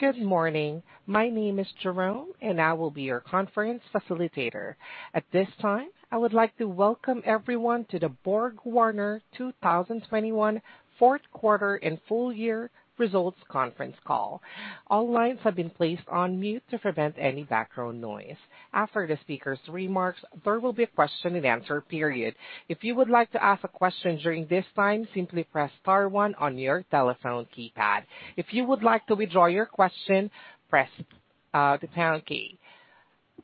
Good morning. My name is Jerome, and I will be your conference facilitator. At this time, I would like to welcome everyone to the BorgWarner 2021 fourth quarter and full year results conference call. All lines have been placed on mute to prevent any background noise. After the speaker's remarks, there will be a question and answer period. If you would like to ask a question during this time, simply press star one on your telephone keypad. If you would like to withdraw your question, press the pound key.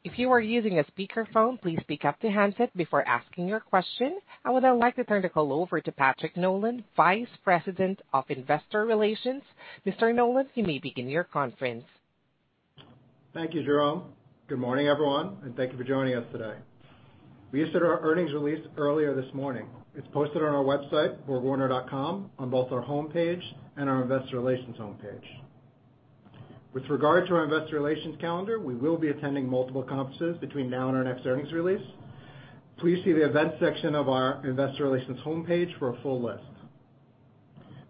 If you are using a speaker phone, please pick up the handset before asking your question. I would now like to turn the call over to Patrick Nolan, Vice President of Investor Relations. Mr. Nolan, you may begin your conference. Thank you, Jerome. Good morning, everyone, and thank you for joining us today. We issued our earnings release earlier this morning. It's posted on our website, borgwarner.com, on both our homepage and our investor relations homepage. With regard to our investor relations calendar, we will be attending multiple conferences between now and our next earnings release. Please see the events section of our investor relations homepage for a full list.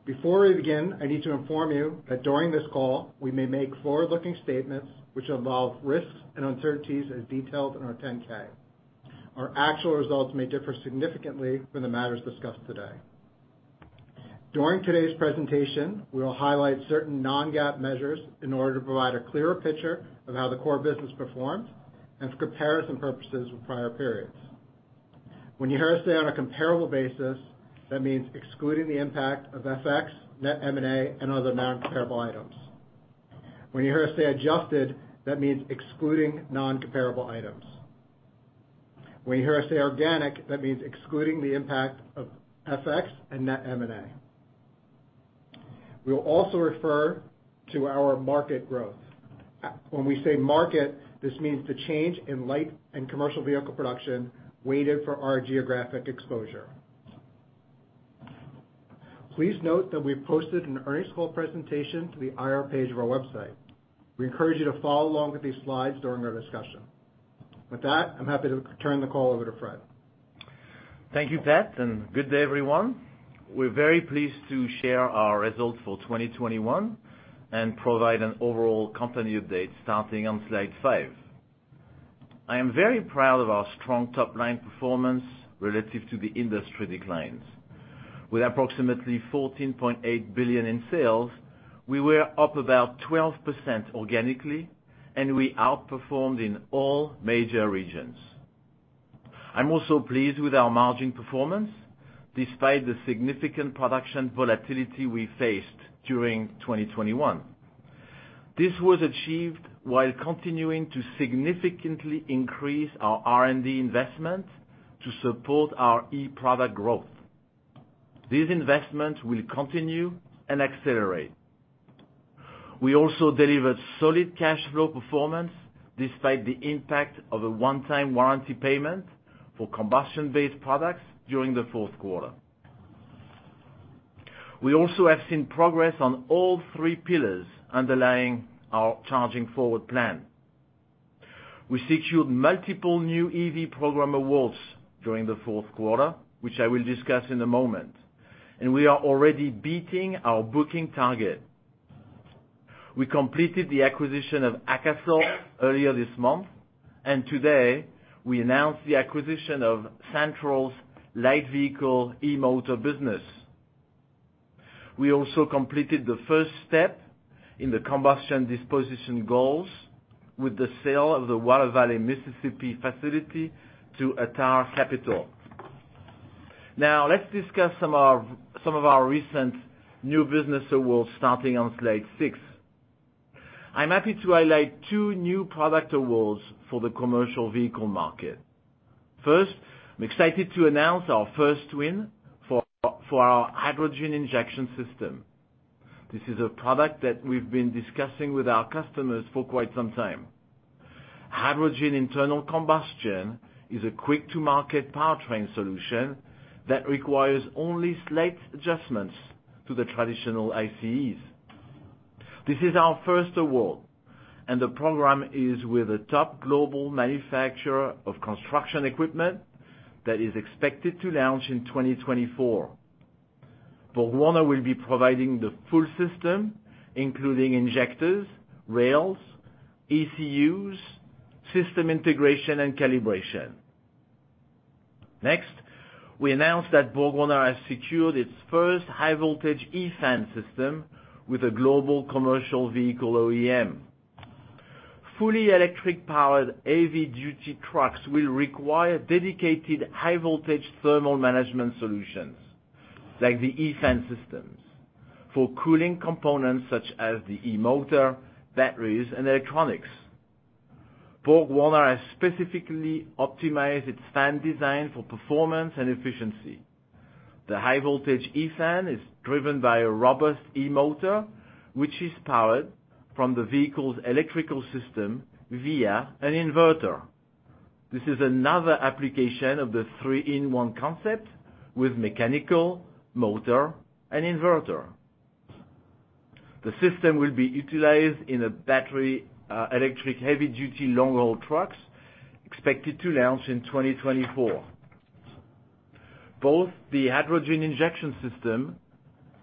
Before we begin, I need to inform you that during this call we may make forward-looking statements which involve risks and uncertainties as detailed in our 10-K. Our actual results may differ significantly from the matters discussed today. During today's presentation, we will highlight certain non-GAAP measures in order to provide a clearer picture of how the core business performed and for comparison purposes with prior periods. When you hear us say on a comparable basis, that means excluding the impact of FX, net M&A, and other non-comparable items. When you hear us say adjusted, that means excluding non-comparable items. When you hear us say organic, that means excluding the impact of FX and net M&A. We will also refer to our market growth. When we say market, this means the change in light and commercial vehicle production weighted for our geographic exposure. Please note that we posted an earnings call presentation to the IR page of our website. We encourage you to follow along with these slides during our discussion. With that, I'm happy to turn the call over to Fred. Thank you, Pat, and good day, everyone. We're very pleased to share our results for 2021 and provide an overall company update starting on slide five. I am very proud of our strong top-line performance relative to the industry declines. With approximately $14.8 billion in sales, we were up about 12% organically, and we outperformed in all major regions. I'm also pleased with our margin performance despite the significant production volatility we faced during 2021. This was achieved while continuing to significantly increase our R&D investment to support our e-product growth. These investments will continue and accelerate. We also delivered solid cash flow performance despite the impact of a one-time warranty payment for combustion-based products during the fourth quarter. We also have seen progress on all three pillars underlying our Charging Forward plan. We secured multiple new EV program awards during the fourth quarter, which I will discuss in a moment, and we are already beating our booking target. We completed the acquisition of Akasol earlier this month, and today we announced the acquisition of Santroll's light vehicle e-motor business. We also completed the first step in the combustion disposition goals with the sale of the Water Valley, Mississippi facility to Atar Capital. Now, let's discuss some of our recent new business awards starting on slide six. I'm happy to highlight two new product awards for the commercial vehicle market. First, I'm excited to announce our first win for our hydrogen injection system. This is a product that we've been discussing with our customers for quite some time. Hydrogen internal combustion is a quick-to-market powertrain solution that requires only slight adjustments to the traditional ICEs. This is our first award, and the program is with a top global manufacturer of construction equipment that is expected to launch in 2024. BorgWarner will be providing the full system, including injectors, rails, ECUs, system integration, and calibration. Next, we announce that BorgWarner has secured its first high-voltage eFan system with a global commercial vehicle OEM. Fully electric-powered AV duty trucks will require dedicated high-voltage thermal management solutions like the e-fan systems for cooling components such as the e-motor, batteries, and electronics. BorgWarner has specifically optimized its fan design for performance and efficiency. The high-voltage eFan is driven by a robust e-motor, which is powered from the vehicle's electrical system via an inverter. This is another application of the three-in-one concept with mechanical, motor, and inverter. The system will be utilized in a battery electric heavy-duty long-haul trucks expected to launch in 2024. Both the hydrogen injection system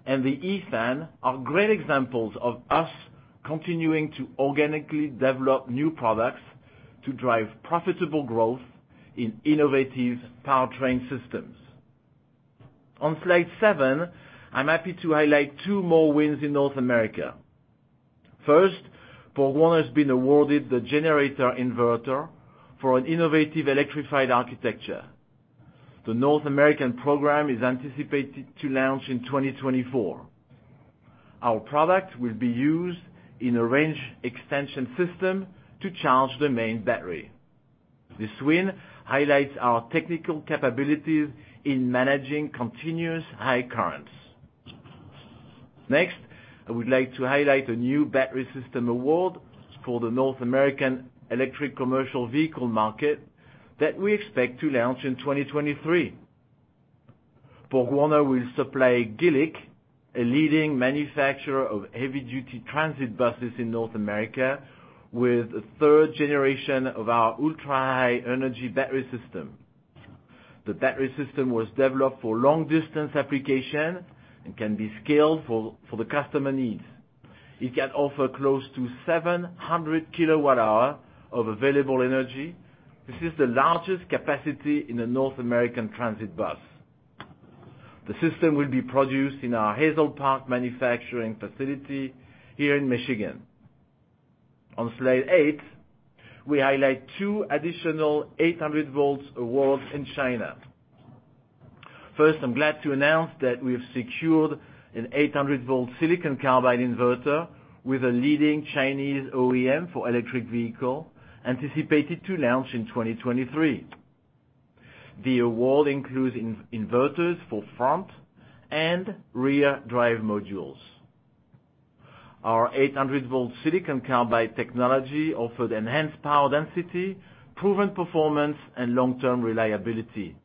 and the eFan are great examples of us continuing to organically develop new products to drive profitable growth in innovative powertrain systems. On slide seven, I'm happy to highlight two more wins in North America. First, BorgWarner has been awarded the generator inverter for an innovative electrified architecture. The North American program is anticipated to launch in 2024. Our product will be used in a range extension system to charge the main battery. This win highlights our technical capabilities in managing continuous high currents. Next, I would like to highlight a new battery system award for the North American electric commercial vehicle market that we expect to launch in 2023. BorgWarner will supply Gillig, a leading manufacturer of heavy duty transit buses in North America, with a third generation of our ultra-high energy battery system. The battery system was developed for long distance application and can be scaled for the customer needs. It can offer close to 700 kWh of available energy. This is the largest capacity in a North American transit bus. The system will be produced in our Hazel Park manufacturing facility here in Michigan. On slide eight, we highlight two additional 800-volt awards in China. First, I'm glad to announce that we have secured an 800-volt silicon carbide inverter with a leading Chinese OEM for electric vehicle, anticipated to launch in 2023. The award includes inverters for front and rear drive modules. Our 800-volt silicon carbide technology offered enhanced power density, proven performance, and long-term reliability.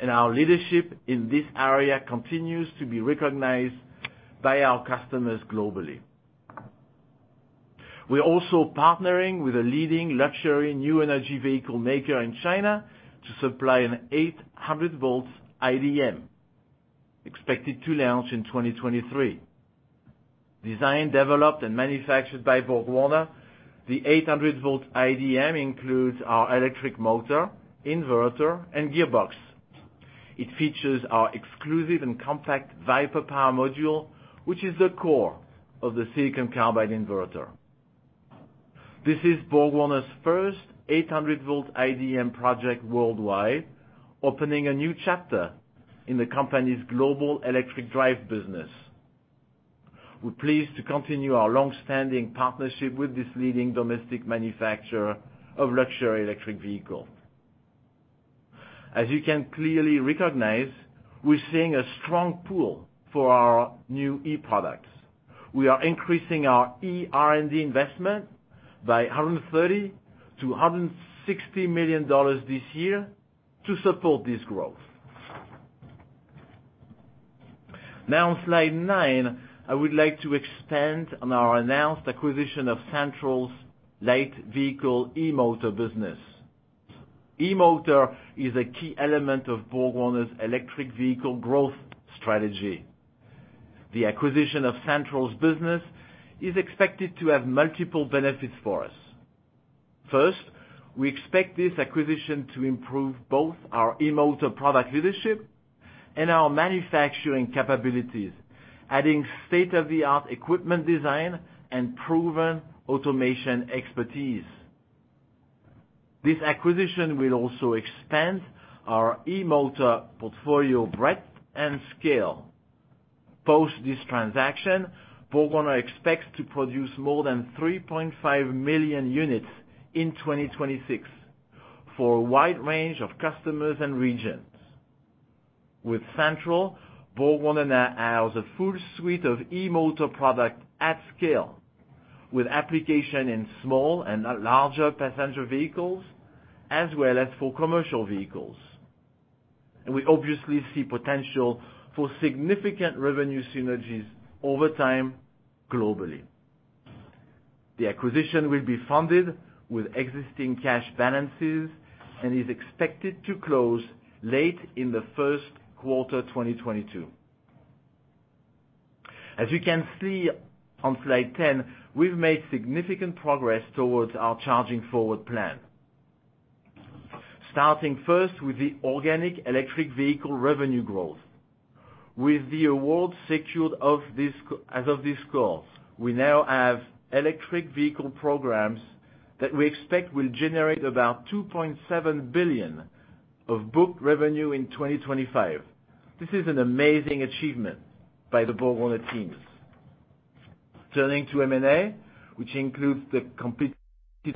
Our leadership in this area continues to be recognized by our customers globally. We're also partnering with a leading luxury new energy vehicle maker in China to supply an 800-volt IDM expected to launch in 2023. Designed, developed, and manufactured by BorgWarner, the 800-volt IDM includes our electric motor, inverter, and gearbox. It features our exclusive and compact Viper power module, which is the core of the silicon carbide inverter. This is BorgWarner's first 800-volt IDM project worldwide, opening a new chapter in the company's global electric drive business. We're pleased to continue our long-standing partnership with this leading domestic manufacturer of luxury electric vehicles. As you can clearly recognize, we're seeing a strong pull for our new e-products. We are increasing our e-R&D investment by $130 million-$160 million this year to support this growth. Now on slide nine, I would like to expand on our announced acquisition of Santroll's light vehicle e-motor business. E-motor is a key element of BorgWarner's electric vehicle growth strategy. The acquisition of Santroll's business is expected to have multiple benefits for us. First, we expect this acquisition to improve both our e-motor product leadership and our manufacturing capabilities, adding state-of-the-art equipment design and proven automation expertise. This acquisition will also expand our e-motor portfolio breadth and scale. Post this transaction, BorgWarner expects to produce more than 3.5 million units in 2026 for a wide range of customers and regions. With Santroll, BorgWarner now has a full suite of e-motor product at scale, with application in small and larger passenger vehicles, as well as for commercial vehicles. We obviously see potential for significant revenue synergies over time globally. The acquisition will be funded with existing cash balances and is expected to close late in the first quarter 2022. As you can see on slide 10, we've made significant progress towards our Charging Forward plan. Starting first with the organic electric vehicle revenue growth. With the awards secured as of this call, we now have electric vehicle programs that we expect will generate about $2.7 billion of booked revenue in 2025. This is an amazing achievement by the BorgWarner teams. Turning to M&A, which includes the completed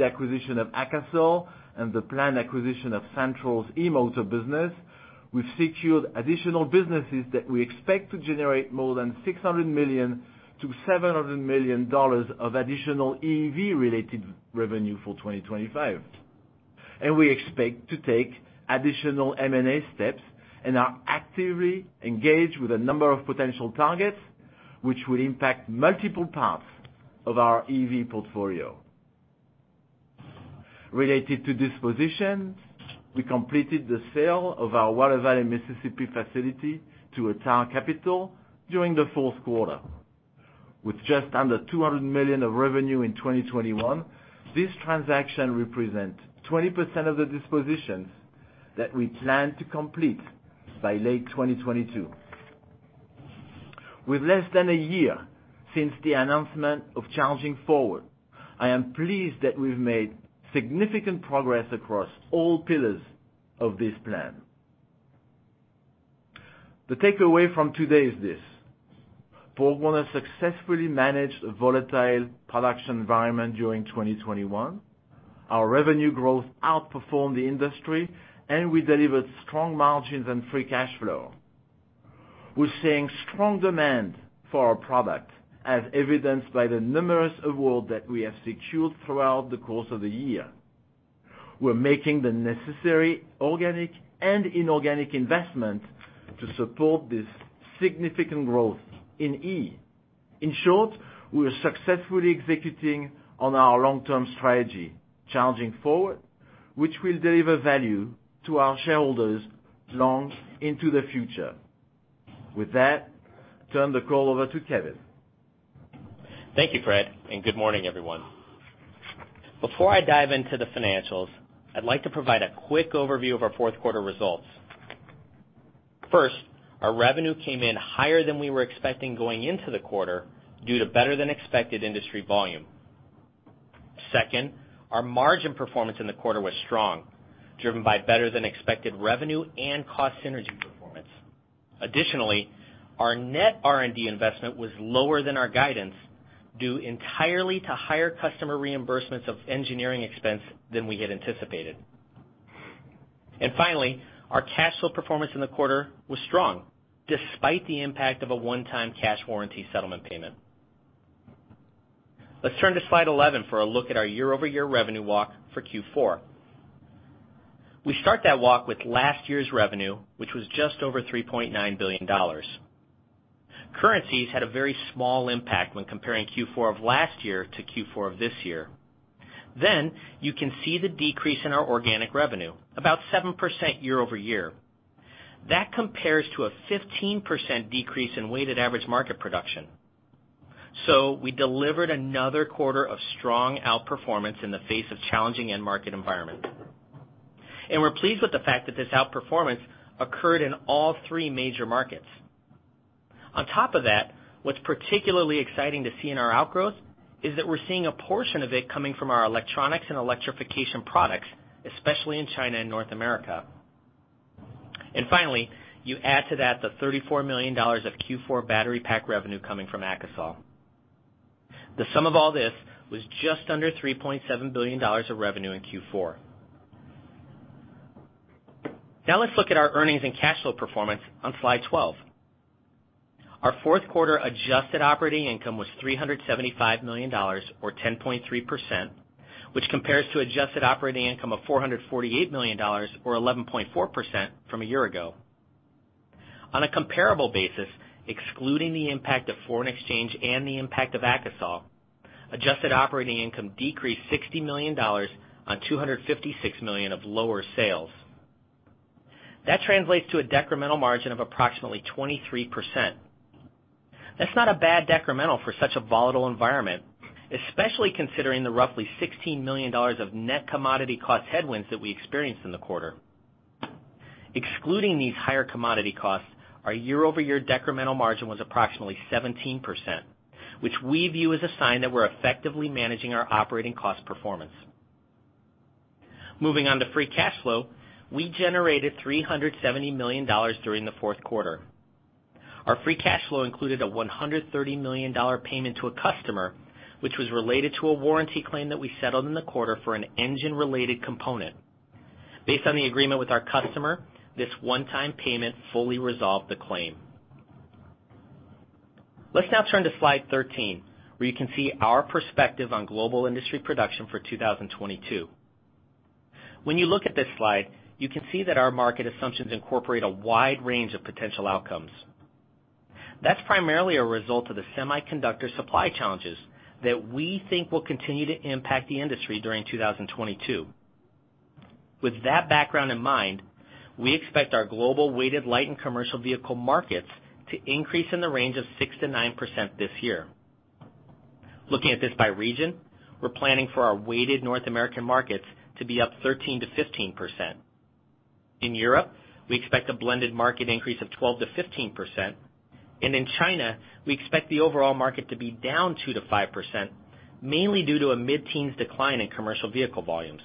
acquisition of Akasol and the planned acquisition of Santroll's e-motor business, we've secured additional businesses that we expect to generate more than $600 million-$700 million of additional EV-related revenue for 2025. We expect to take additional M&A steps and are actively engaged with a number of potential targets which will impact multiple parts of our EV portfolio. Related to disposition, we completed the sale of our Water Valley, Mississippi facility to Atar Capital during the fourth quarter. With just under $200 million of revenue in 2021, this transaction represent 20% of the dispositions that we plan to complete by late 2022. With less than a year since the announcement of Charging Forward, I am pleased that we've made significant progress across all pillars of this plan. The takeaway from today is this, BorgWarner successfully managed a volatile production environment during 2021. Our revenue growth outperformed the industry, and we delivered strong margins and free cash flow. We're seeing strong demand for our product as evidenced by the numerous awards that we have secured throughout the course of the year. We're making the necessary organic and inorganic investment to support this significant growth in EV. In short, we are successfully executing on our long-term strategy, Charging Forward, which will deliver value to our shareholders long into the future. With that, turn the call over to Kevin. Thank you, Fred, and good morning everyone. Before I dive into the financials, I'd like to provide a quick overview of our fourth quarter results. First, our revenue came in higher than we were expecting going into the quarter due to better than expected industry volume. Second, our margin performance in the quarter was strong, driven by better than expected revenue and cost synergy performance. Additionally, our net R&D investment was lower than our guidance due entirely to higher customer reimbursements of engineering expense than we had anticipated. Finally, our cash flow performance in the quarter was strong despite the impact of a one-time cash warranty settlement payment. Let's turn to slide 11 for a look at our year-over-year revenue walk for Q4. We start that walk with last year's revenue, which was just over $3.9 billion. Currencies had a very small impact when comparing Q4 of last year to Q4 of this year. You can see the decrease in our organic revenue, about 7% year-over-year. That compares to a 15% decrease in weighted average market production. We delivered another quarter of strong outperformance in the face of challenging end market environment. We're pleased with the fact that this outperformance occurred in all three major markets. On top of that, what's particularly exciting to see in our outgrowth is that we're seeing a portion of it coming from our electronics and electrification products, especially in China and North America. Finally, you add to that the $34 million of Q4 battery pack revenue coming from Akasol. The sum of all this was just under $3.7 billion of revenue in Q4. Now let's look at our earnings and cash flow performance on slide 12. Our fourth quarter adjusted operating income was $375 million or 10.3%, which compares to adjusted operating income of $448 million or 11.4% from a year ago. On a comparable basis, excluding the impact of foreign exchange and the impact of Akasol, adjusted operating income decreased $60 million on $256 million of lower sales. That translates to a decremental margin of approximately 23%. That's not a bad decremental for such a volatile environment, especially considering the roughly $16 million of net commodity cost headwinds that we experienced in the quarter. Excluding these higher commodity costs, our year-over-year decremental margin was approximately 17%, which we view as a sign that we're effectively managing our operating cost performance. Moving on to free cash flow, we generated $370 million during the fourth quarter. Our free cash flow included a $130 million payment to a customer, which was related to a warranty claim that we settled in the quarter for an engine-related component. Based on the agreement with our customer, this one-time payment fully resolved the claim. Let's now turn to slide 13, where you can see our perspective on global industry production for 2022. When you look at this slide, you can see that our market assumptions incorporate a wide range of potential outcomes. That's primarily a result of the semiconductor supply challenges that we think will continue to impact the industry during 2022. With that background in mind, we expect our global weighted light and commercial vehicle markets to increase in the range of 6%-9% this year. Looking at this by region, we're planning for our weighted North American markets to be up 13%-15%. In Europe, we expect a blended market increase of 12%-15%. In China, we expect the overall market to be down 2%-5%, mainly due to a mid-teens decline in commercial vehicle volumes.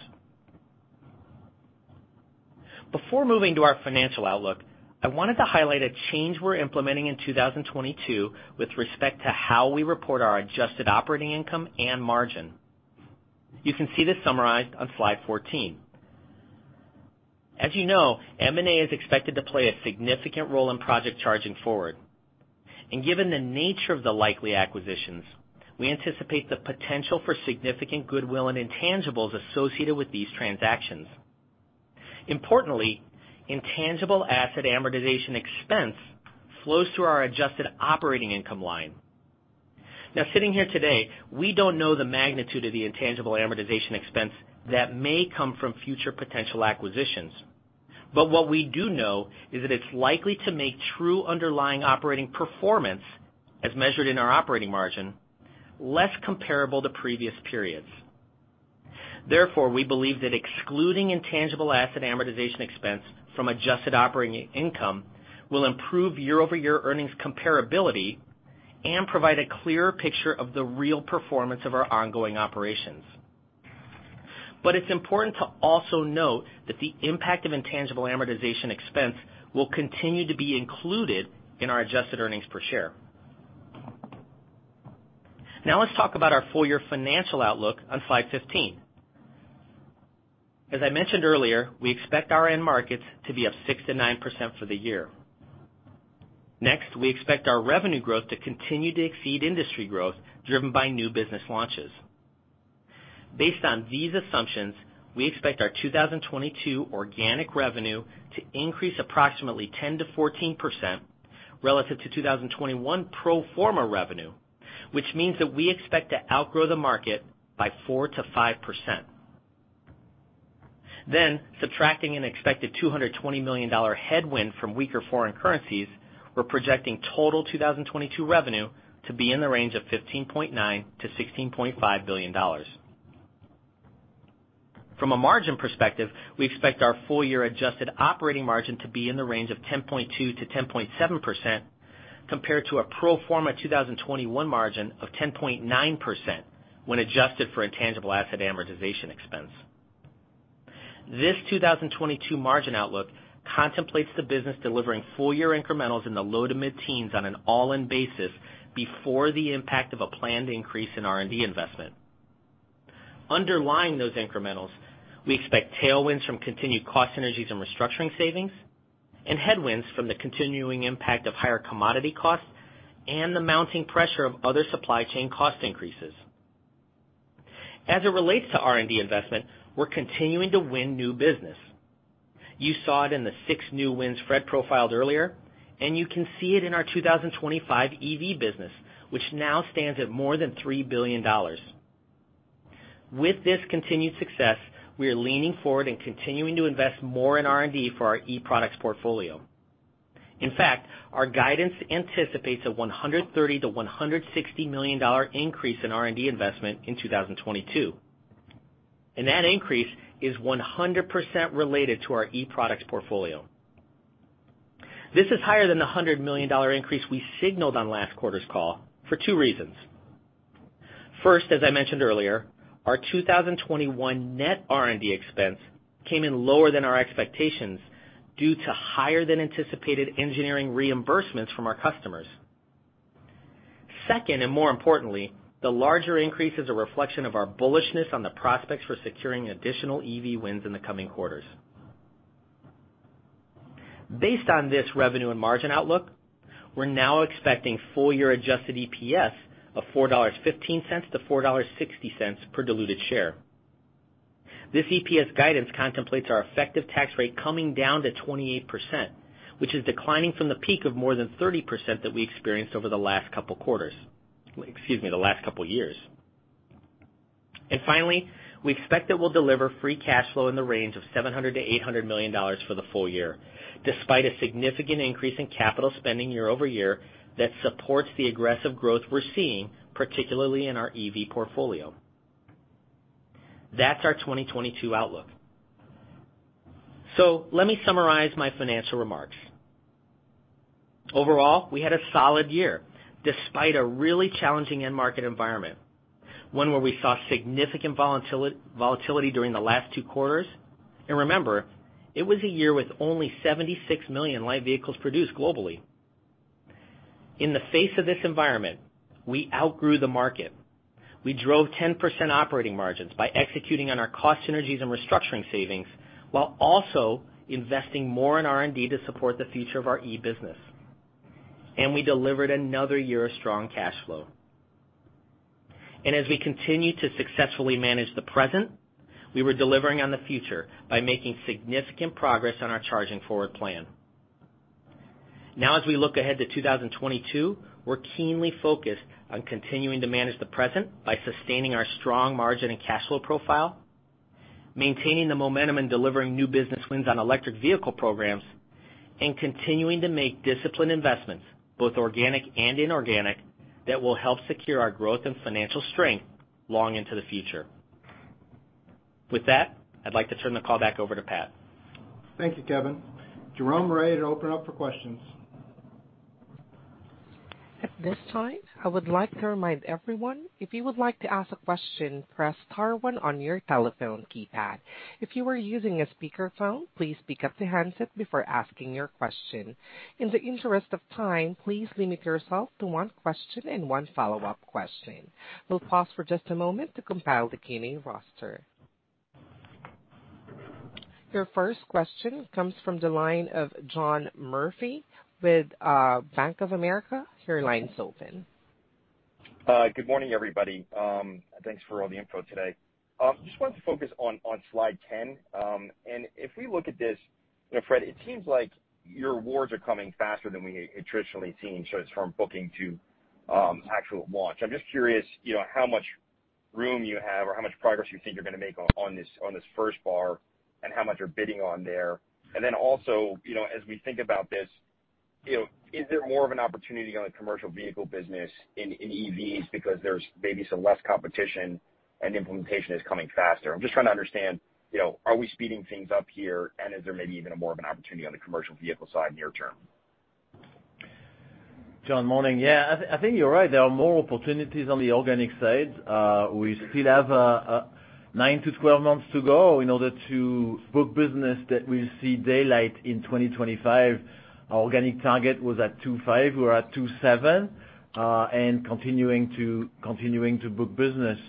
Before moving to our financial outlook, I wanted to highlight a change we're implementing in 2022 with respect to how we report our adjusted operating income and margin. You can see this summarized on slide 14. As you know, M&A is expected to play a significant role in Charging Forward. Given the nature of the likely acquisitions, we anticipate the potential for significant goodwill and intangibles associated with these transactions. Importantly, intangible asset amortization expense flows through our adjusted operating income line. Now sitting here today, we don't know the magnitude of the intangible amortization expense that may come from future potential acquisitions. What we do know is that it's likely to make true underlying operating performance, as measured in our operating margin, less comparable to previous periods. Therefore, we believe that excluding intangible asset amortization expense from adjusted operating income will improve year-over-year earnings comparability and provide a clearer picture of the real performance of our ongoing operations. It's important to also note that the impact of intangible amortization expense will continue to be included in our adjusted earnings per share. Now let's talk about our full year financial outlook on slide 15. As I mentioned earlier, we expect our end markets to be up 6%-9% for the year. Next, we expect our revenue growth to continue to exceed industry growth driven by new business launches. Based on these assumptions, we expect our 2022 organic revenue to increase approximately 10%-14% relative to 2021 pro forma revenue, which means that we expect to outgrow the market by 4%-5%. Subtracting an expected $220 million headwind from weaker foreign currencies, we're projecting total 2022 revenue to be in the range of $15.9 billion-$16.5 billion. From a margin perspective, we expect our full year adjusted operating margin to be in the range of 10.2%-10.7% compared to a pro forma 2021 margin of 10.9% when adjusted for intangible asset amortization expense. This 2022 margin outlook contemplates the business delivering full year incrementals in the low to mid-teens on an all-in basis before the impact of a planned increase in R&D investment. Underlying those incrementals, we expect tailwinds from continued cost synergies and restructuring savings and headwinds from the continuing impact of higher commodity costs and the mounting pressure of other supply chain cost increases. As it relates to R&D investment, we're continuing to win new business. You saw it in the six new wins Fred profiled earlier, and you can see it in our 2025 EV business, which now stands at more than $3 billion. With this continued success, we are leaning forward and continuing to invest more in R&D for our e-products portfolio. In fact, our guidance anticipates a $130 million-$160 million increase in R&D investment in 2022. That increase is 100% related to our e-products portfolio. This is higher than the $100 million increase we signaled on last quarter's call for two reasons. First, as I mentioned earlier, our 2021 net R&D expense came in lower than our expectations due to higher than anticipated engineering reimbursements from our customers. Second, and more importantly, the larger increase is a reflection of our bullishness on the prospects for securing additional EV wins in the coming quarters. Based on this revenue and margin outlook, we're now expecting full year adjusted EPS of $4.15-$4.60 per diluted share. This EPS guidance contemplates our effective tax rate coming down to 28%, which is declining from the peak of more than 30% that we experienced over the last couple quarters. Excuse me, the last couple years. Finally, we expect that we'll deliver free cash flow in the range of $700 million-$800 million for the full year, despite a significant increase in capital spending year-over-year that supports the aggressive growth we're seeing, particularly in our EV portfolio. That's our 2022 outlook. Let me summarize my financial remarks. Overall, we had a solid year despite a really challenging end market environment, one where we saw significant volatility during the last two quarters. Remember, it was a year with only 76 million light vehicles produced globally. In the face of this environment, we outgrew the market. We drove 10% operating margins by executing on our cost synergies and restructuring savings while also investing more in R&D to support the future of our e-business. We delivered another year of strong cash flow. As we continue to successfully manage the present, we were delivering on the future by making significant progress on our Charging Forward plan. Now, as we look ahead to 2022, we're keenly focused on continuing to manage the present by sustaining our strong margin and cash flow profile, maintaining the momentum in delivering new business wins on electric vehicle programs, and continuing to make disciplined investments, both organic and inorganic, that will help secure our growth and financial strength long into the future. With that, I'd like to turn the call back over to Pat. Thank you, Kevin. Jerome, we're ready to open up for questions. At this time, I would like to remind everyone, if you would like to ask a question, press star one on your telephone keypad. If you are using a speakerphone, please pick up the handset before asking your question. In the interest of time, please limit yourself to one question and one follow-up question. We'll pause for just a moment to compile the Q&A roster. Your first question comes from the line of John Murphy with Bank of America. Your line is open. Good morning, everybody. Thanks for all the info today. Just wanted to focus on slide 10. If we look at this, you know, Fred, it seems like your awards are coming faster than we had traditionally seen. It's from booking to actual launch. I'm just curious, you know, how much room you have or how much progress you think you're gonna make on this first bar and how much you're bidding on there. You know, as we think about this, you know, is there more of an opportunity on the commercial vehicle business in EVs because there's maybe some less competition and implementation is coming faster? I'm just trying to understand, you know, are we speeding things up here? Is there maybe even more of an opportunity on the commercial vehicle side near term? John, morning. Yeah, I think you're right. There are more opportunities on the organic side. We still have nine-12 months to go in order to book business that we'll see daylight in 2025. Our organic target was at 25, we're at 27, and continuing to book business.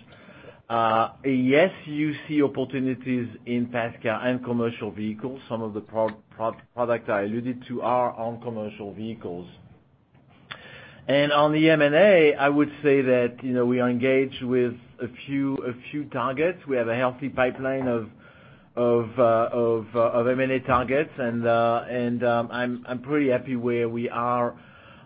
Yes, you see opportunities in passenger and commercial vehicles. Some of the products I alluded to are on commercial vehicles. On the M&A, I would say that, you know, we are engaged with a few targets. We have a healthy pipeline of M&A targets, and I'm pretty happy where we are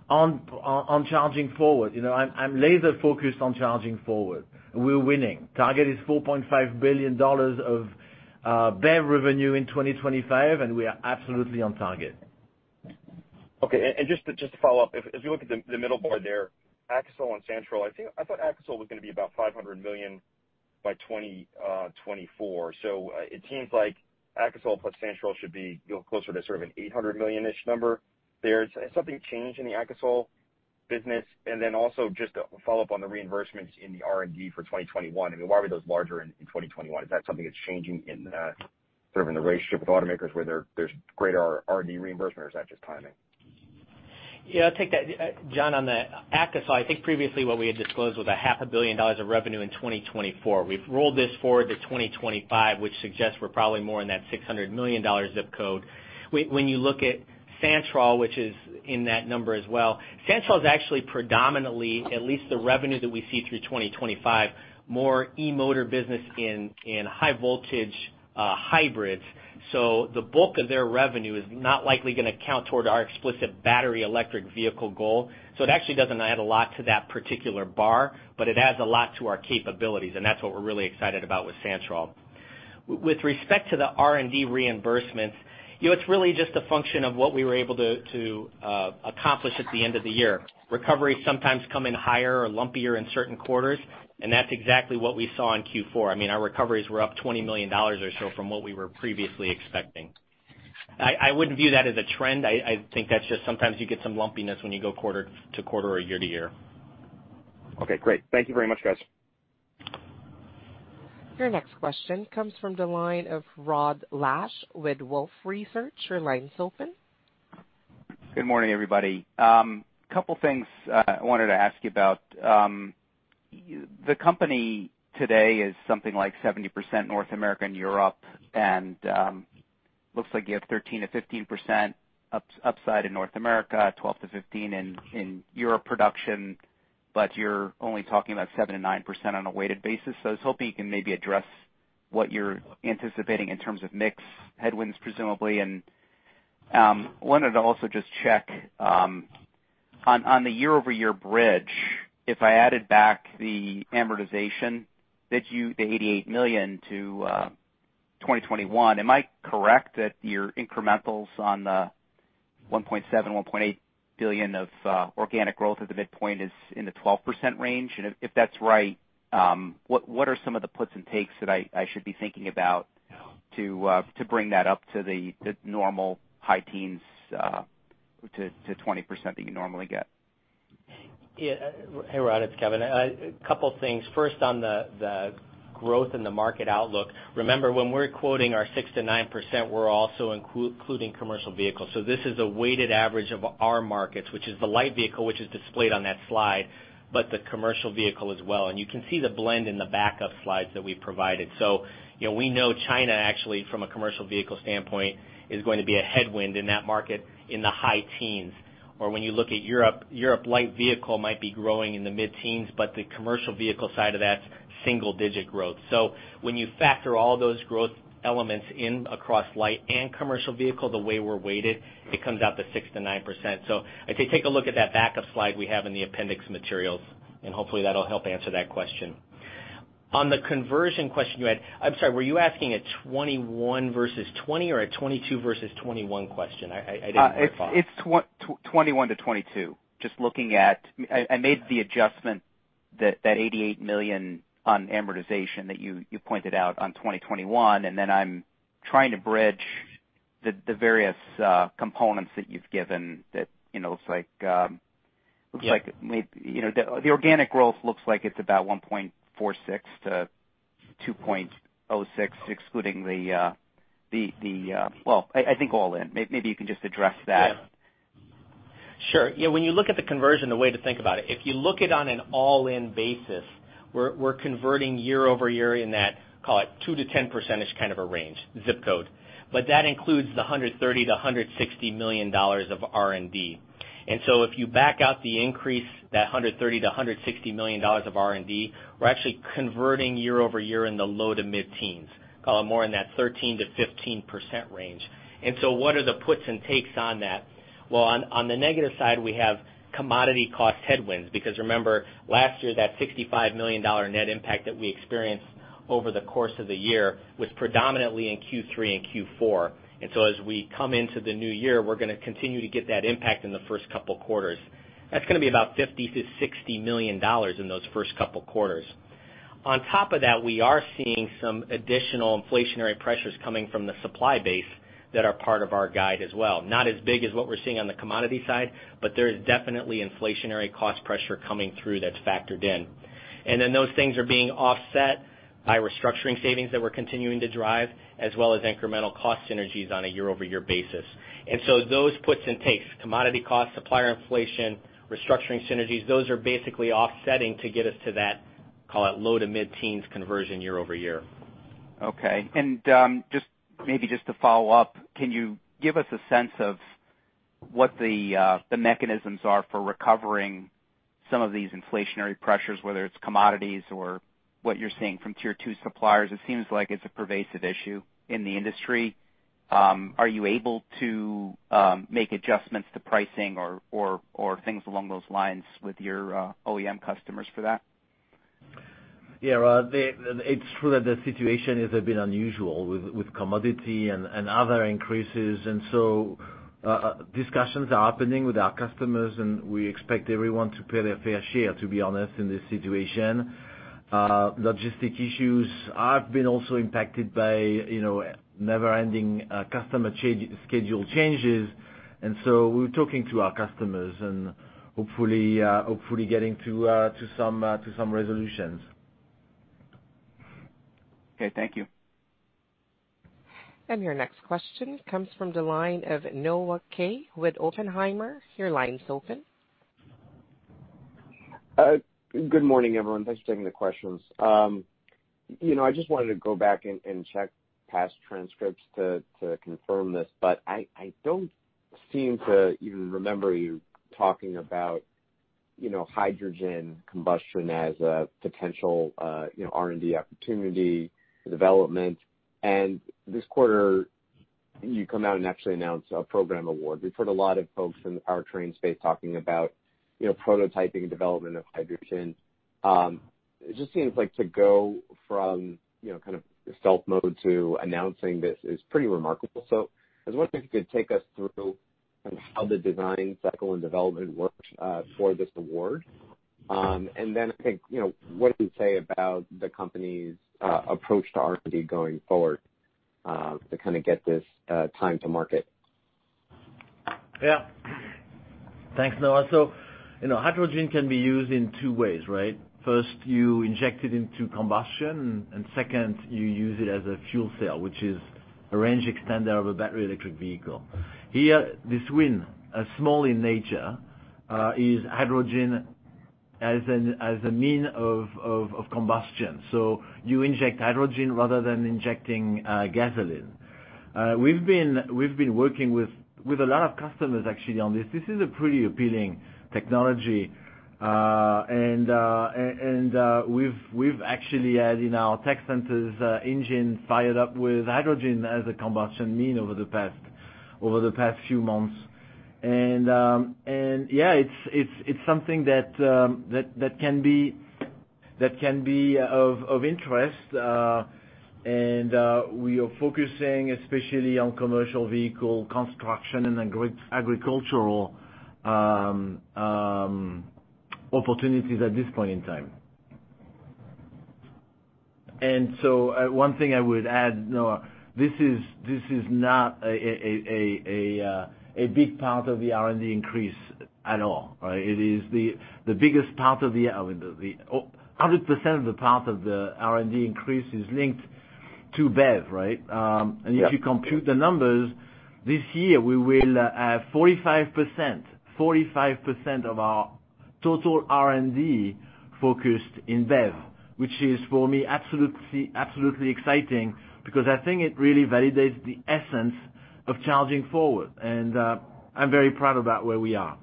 on Charging Forward. You know, I'm laser focused on Charging Forward. We're winning. Target is $4.5 billion of BEV revenue in 2025, and we are absolutely on target. Okay. Just to follow up, if you look at the middle bar there, Akasol and Santroll, I think I thought Akasol was gonna be about $500 million by 2024. It seems like Akasol plus Santroll should be, you know, closer to sort of an $800 million-ish number there. Has something changed in the Akasol business? Just to follow up on the reimbursements in the R&D for 2021, I mean, why were those larger in 2021? Is that something that's changing in sort of in the relationship with automakers where there's greater R&D reimbursement, or is that just timing? Yeah, I'll take that. John, on the Akasol, I think previously what we had disclosed was half a billion dollars of revenue in 2024. We've rolled this forward to 2025, which suggests we're probably more in that $600 million ZIP code. When you look at Santroll, which is in that number as well, Santroll is actually predominantly, at least the revenue that we see through 2025, more e-motor business in high voltage hybrids. The bulk of their revenue is not likely gonna count toward our explicit battery electric vehicle goal. It actually doesn't add a lot to that particular bar, but it adds a lot to our capabilities, and that's what we're really excited about with Santroll. With respect to the R&D reimbursements, you know, it's really just a function of what we were able to accomplish at the end of the year. Recoveries sometimes come in higher or lumpier in certain quarters, and that's exactly what we saw in Q4. I mean, our recoveries were up $20 million or so from what we were previously expecting. I wouldn't view that as a trend. I think that's just sometimes you get some lumpiness when you go quarter-to-quarter or year-to-year. Okay, great. Thank you very much, guys. Your next question comes from the line of Rod Lache with Wolfe Research. Your line's open. Good morning, everybody. Couple things I wanted to ask you about. The company today is something like 70% North America and Europe, and looks like you have 13%-15% upside in North America, 12%-15% in Europe production, but you're only talking about 7%-9% on a weighted basis. I was hoping you can maybe address what you're anticipating in terms of mix headwinds, presumably. Wanted to also just check on the year-over-year bridge, if I added back the amortization that you the $88 million to 2021, am I correct that your incrementals on the $1.7 billion-$1.8 billion of organic growth at the midpoint is in the 12% range? If that's right, what are some of the puts and takes that I should be thinking about to bring that up to the normal high teens to 20% that you normally get? Hey, Rod, it's Kevin. A couple things. First, on the growth in the market outlook, remember when we're quoting our 6%-9%, we're also including commercial vehicles. This is a weighted average of our markets, which is the light vehicle, which is displayed on that slide, but the commercial vehicle as well. You can see the blend in the backup slides that we provided. You know, we know China actually from a commercial vehicle standpoint is going to be a headwind in that market in the high teens. When you look at Europe light vehicle might be growing in the mid-teens, but the commercial vehicle side of that, single-digit growth. When you factor all those growth elements in across light and commercial vehicle, the way we're weighted, it comes out to 6%-9%. I'd say take a look at that backup slide we have in the appendix materials, and hopefully that'll help answer that question. On the conversion question you had, I'm sorry, were you asking a 21 versus 20 or a 22 versus 21 question? I didn't hear it far. It's 2021-2022. Just looking at, I made the adjustment that $88 million on amortization that you pointed out on 2021, and then I'm trying to bridge the various components that you've given that, you know, it looks like. Yeah. You know, the organic growth looks like it's about 1.46%-2.06%. Well, I think all in. Maybe you can just address that. Yeah. Sure. Yeah, when you look at the conversion, the way to think about it, if you look at on an all-in basis, we're converting year-over-year in that, call it 2%-10% kind of a range, zip code. But that includes the $130 million-$160 million of R&D. If you back out the increase, that $130 million-$160 million of R&D, we're actually converting year-over-year in the low to mid-teens, call it more in that 13%-15% range. What are the puts and takes on that? Well, on the negative side, we have commodity cost headwinds because remember, last year that $65 million net impact that we experienced over the course of the year was predominantly in Q3 and Q4. As we come into the new year, we're gonna continue to get that impact in the first couple quarters. That's gonna be about $50 million-$60 million in those first couple quarters. On top of that, we are seeing some additional inflationary pressures coming from the supply base that are part of our guide as well. Not as big as what we're seeing on the commodity side, but there is definitely inflationary cost pressure coming through that's factored in. Those things are being offset by restructuring savings that we're continuing to drive as well as incremental cost synergies on a year-over-year basis. Those puts and takes, commodity costs, supplier inflation, restructuring synergies, those are basically offsetting to get us to that, call it low- to mid-teens conversion year-over-year. Okay. Just maybe just to follow up, can you give us a sense of what the mechanisms are for recovering some of these inflationary pressures, whether it's commodities or what you're seeing from tier two suppliers? It seems like it's a pervasive issue in the industry. Are you able to make adjustments to pricing or things along those lines with your OEM customers for that? It's true that the situation is a bit unusual with commodity and other increases. Discussions are happening with our customers, and we expect everyone to pay their fair share, to be honest, in this situation. Logistics issues have been also impacted by, you know, never-ending customer schedule changes. We're talking to our customers and hopefully getting to some resolutions. Okay. Thank you. Your next question comes from the line of Noah Kaye with Oppenheimer. Your line's open. Good morning, everyone. Thanks for taking the questions. You know, I just wanted to go back and check past transcripts to confirm this. I don't seem to even remember you talking about, you know, hydrogen combustion as a potential, you know, R&D opportunity development. This quarter, you come out and actually announce a program award. We've heard a lot of folks in the powertrain space talking about, you know, prototyping and development of hydrogen. It just seems like to go from, you know, kind of stealth mode to announcing this is pretty remarkable. I was wondering if you could take us through kind of how the design cycle and development worked for this award. I think, you know, what does it say about the company's approach to R&D going forward, to kind of get this time to market? Yeah. Thanks, Noah. So, you know, hydrogen can be used in two ways, right? First, you inject it into combustion, and second, you use it as a fuel cell, which is a range extender of a battery electric vehicle. Here, this win, small in nature, is hydrogen as a means of combustion. So you inject hydrogen rather than injecting gasoline. We've been working with a lot of customers actually on this. This is a pretty appealing technology. We've actually had in our tech centers engine fired up with hydrogen as a combustion means over the past few months. Yeah, it's something that can be of interest. We are focusing especially on commercial vehicle, construction and agricultural opportunities at this point in time. One thing I would add, Noah, this is not a big part of the R&D increase at all, right? It is the biggest part of the R&D increase. I mean, 100% of the R&D increase is linked to BEV, right? Yeah. If you compute the numbers, this year, we will have 45% of our total R&D focused in BEV, which is for me, absolutely exciting because I think it really validates the essence of Charging Forward. I'm very proud about where we are.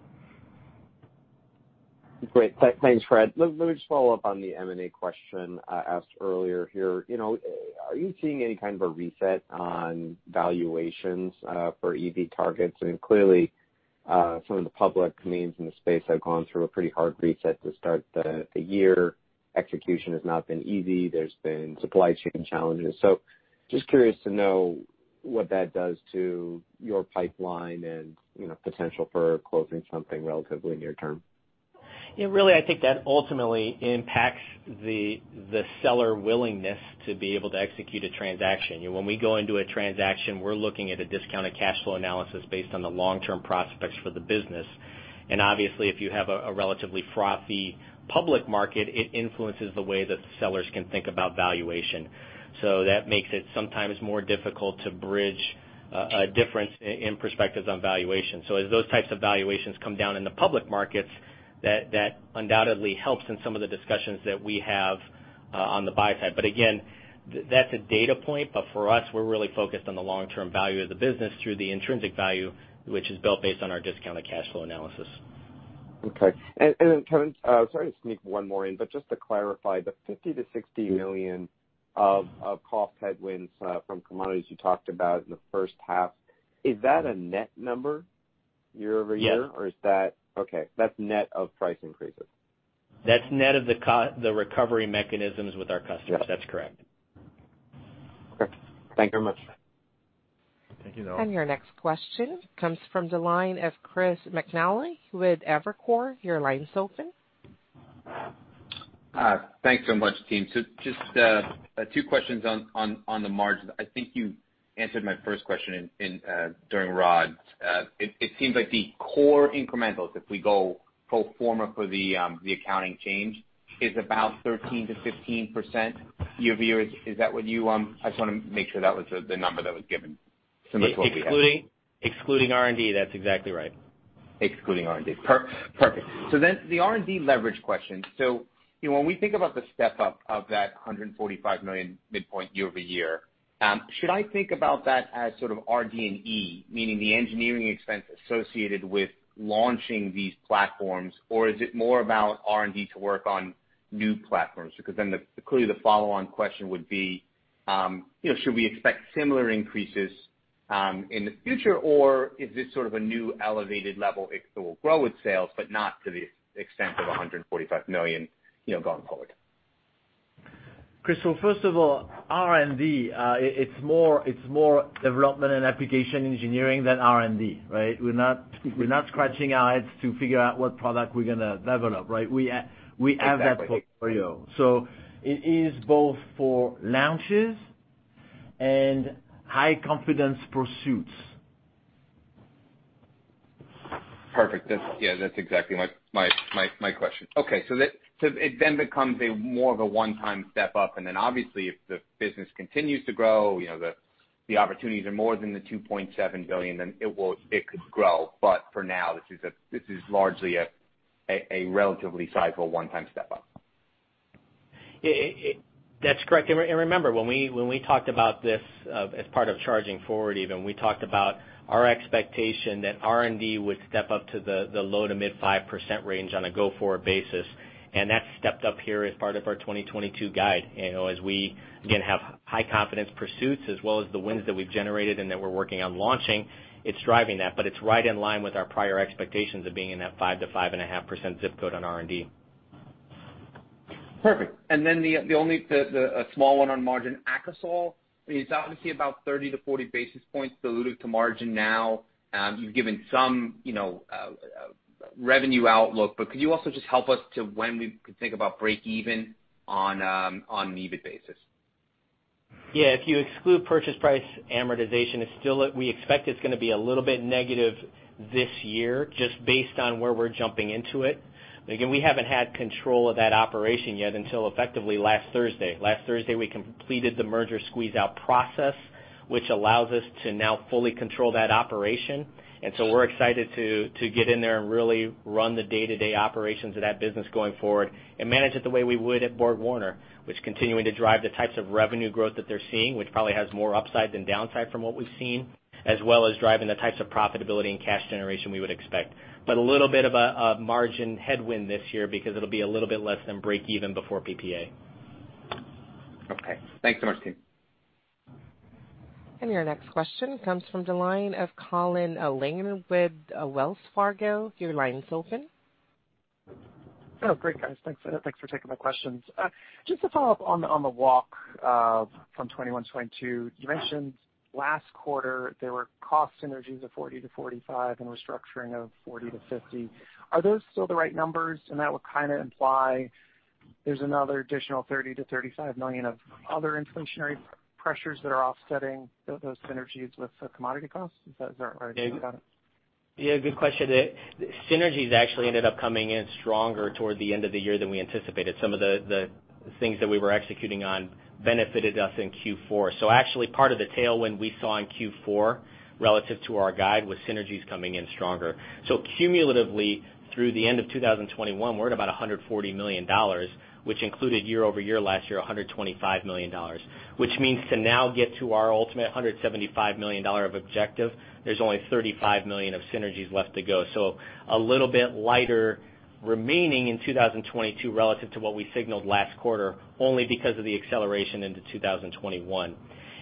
Great. Thanks, Fred. Let me just follow up on the M&A question asked earlier here. You know, are you seeing any kind of a reset on valuations for EV targets? Clearly, some of the public names in the space have gone through a pretty hard reset to start the year. Execution has not been easy. There's been supply chain challenges. Just curious to know what that does to your pipeline and, you know, potential for closing something relatively near term. Yeah, really, I think that ultimately impacts the seller willingness to be able to execute a transaction. You know, when we go into a transaction, we're looking at a discounted cash flow analysis based on the long-term prospects for the business. Obviously, if you have a relatively frothy public market, it influences the way that the sellers can think about valuation. That makes it sometimes more difficult to bridge a difference in perspectives on valuation. As those types of valuations come down in the public markets, that undoubtedly helps in some of the discussions that we have on the buy side. Again, that's a data point, but for us, we're really focused on the long-term value of the business through the intrinsic value, which is built based on our discounted cash flow analysis. Okay. Kevin, sorry to sneak one more in, but just to clarify, the $50 million-$60 million of cost headwinds from commodities you talked about in the first half, is that a net number year-over-year? Yes. Okay, that's net of price increases. That's net of the recovery mechanisms with our customers. Got it. That's correct. Great. Thank you very much. Thank you, Noah. Your next question comes from the line of Chris McNally with Evercore. Your line is open. Thanks so much, team. Just two questions on the margin. I think you answered my first question during Rod's. It seems like the core incrementals, if we go pro forma for the accounting change, is about 13%-15% year-over-year. Is that what you? I just wanna make sure that was the number that was given, similar to what we had. Excluding R&D, that's exactly right. Excluding R&D. Perfect. The R&D leverage question. You know, when we think about the step-up of that $145 million midpoint year-over-year, should I think about that as sort of RD&E, meaning the engineering expense associated with launching these platforms? Or is it more about R&D to work on new platforms? Because clearly the follow-on question would be, you know, should we expect similar increases in the future, or is this sort of a new elevated level? It will grow with sales, but not to the extent of $145 million, you know, going forward. Chris, first of all, R&D, it's more development and application engineering than R&D, right? We're not scratching our heads to figure out what product we're gonna develop, right? We have that portfolio. It is both for launches and high confidence pursuits. Perfect. That's, yeah, that's exactly my question. Okay. So it then becomes a more of a one-time step up, and then obviously if the business continues to grow, you know, the opportunities are more than $2.7 billion, then it could grow. But for now, this is largely a relatively sizable one-time step up. Yeah. That's correct. Remember, when we talked about this as part of Charging Forward even, we talked about our expectation that R&D would step up to the low-to-mid 5% range on a go-forward basis. That's stepped up here as part of our 2022 guide. You know, as we again have high confidence pursuits as well as the wins that we've generated and that we're working on launching, it's driving that. It's right in line with our prior expectations of being in that 5%-5.5% zip code on R&D. Perfect. The only small one on margin. Akasol is obviously about 30-40 basis points dilutive to margin now. You've given some, you know, revenue outlook, but could you also just help us to when we could think about break even on an EBIT basis? Yeah. If you exclude purchase price amortization, it's still, we expect it's gonna be a little bit negative this year just based on where we're jumping into it. Again, we haven't had control of that operation yet until effectively last Thursday. Last Thursday we completed the merger squeeze-out process which allows us to now fully control that operation. We're excited to get in there and really run the day-to-day operations of that business going forward and manage it the way we would at BorgWarner, which is continuing to drive the types of revenue growth that they're seeing, which probably has more upside than downside from what we've seen, as well as driving the types of profitability and cash generation we would expect. A little bit of a margin headwind this year because it'll be a little bit less than break even before PPA. Okay. Thanks so much, team. Your next question comes from the line of Colin Langan with Wells Fargo. Your line is open. Oh, great guys. Thanks. Thanks for taking my questions. Just to follow up on the walk from 2021, 2022. You mentioned last quarter there were cost synergies of $40 million-$45 million and restructuring of $40 million-$50 million. Are those still the right numbers? That would kinda imply there's another additional $30 million-$35 million of other inflationary pressures that are offsetting those synergies with the commodity costs. Is that right? Yeah, good question. Synergies actually ended up coming in stronger toward the end of the year than we anticipated. Some of the things that we were executing on benefited us in Q4. Actually part of the tailwind we saw in Q4 relative to our guide was synergies coming in stronger. Cumulatively through the end of 2021 we're at about $140 million, which included year-over-year last year $125 million, which means to now get to our ultimate $175 million objective, there's only $35 million of synergies left to go. A little bit lighter remaining in 2022 relative to what we signaled last quarter, only because of the acceleration into 2021.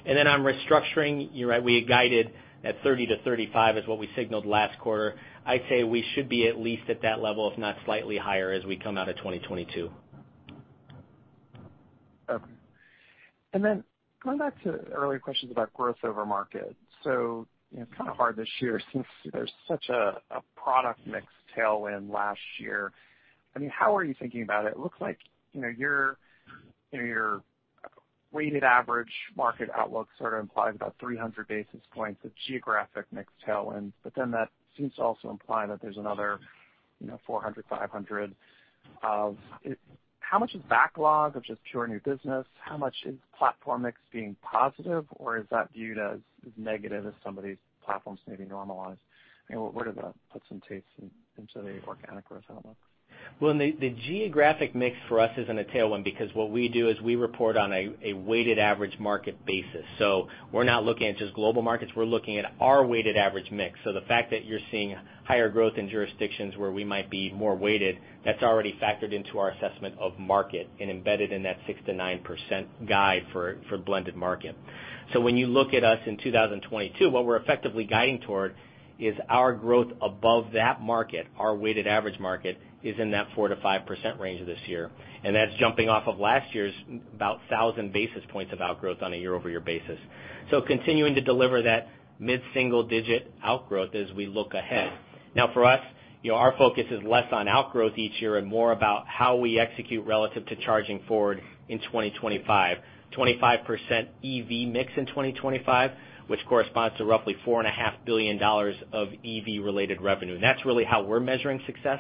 On restructuring, you're right, we had guided at $30 million-$35 million is what we signaled last quarter. I'd say we should be at least at that level if not slightly higher as we come out of 2022. Okay. Going back to earlier questions about growth over market. You know, it's kind of hard this year since there's such a product mix tailwind last year. I mean, how are you thinking about it? It looks like, you know, your, you know, your weighted average market outlook sort of implies about 300 basis points of geographic mix tailwinds, but then that seems to also imply that there's another, you know, 400, 500 of. How much is backlog versus pure new business? How much is platform mix being positive or is that viewed as negative as some of these platforms maybe normalize? You know, where does that put some taste into the organic growth outlook? The geographic mix for us isn't a tailwind because what we do is we report on a weighted average market basis. We're not looking at just global markets, we're looking at our weighted average mix. The fact that you're seeing higher growth in jurisdictions where we might be more weighted, that's already factored into our assessment of market and embedded in that 6%-9% guide for blended market. When you look at us in 2022, what we're effectively guiding toward is our growth above that market, our weighted average market, is in that 4%-5% range this year. That's jumping off of last year's about 1,000 basis points of outgrowth on a year-over-year basis. Continuing to deliver that mid-single digit outgrowth as we look ahead. Now for us, you know, our focus is less on outgrowth each year and more about how we execute relative to Charging Forward in 2025. 25% EV mix in 2025, which corresponds to roughly $4.5 billion of EV-related revenue. That's really how we're measuring success.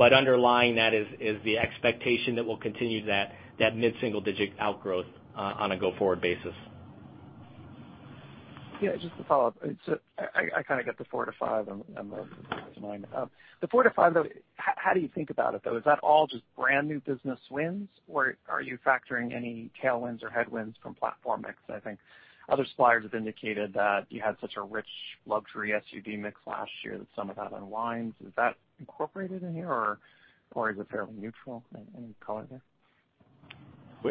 Underlying that is the expectation that we'll continue that mid-single digit outgrowth on a go-forward basis. Yeah, just to follow up. It's. I kinda get the 4%-5% and the 6%-9%. The 4%-5% though, how do you think about it though? Is that all just brand new business wins, or are you factoring any tailwinds or headwinds from platform mix? I think other suppliers have indicated that you had such a rich luxury SUV mix last year that some of that unwinds. Is that incorporated in here or is it fairly neutral in color here?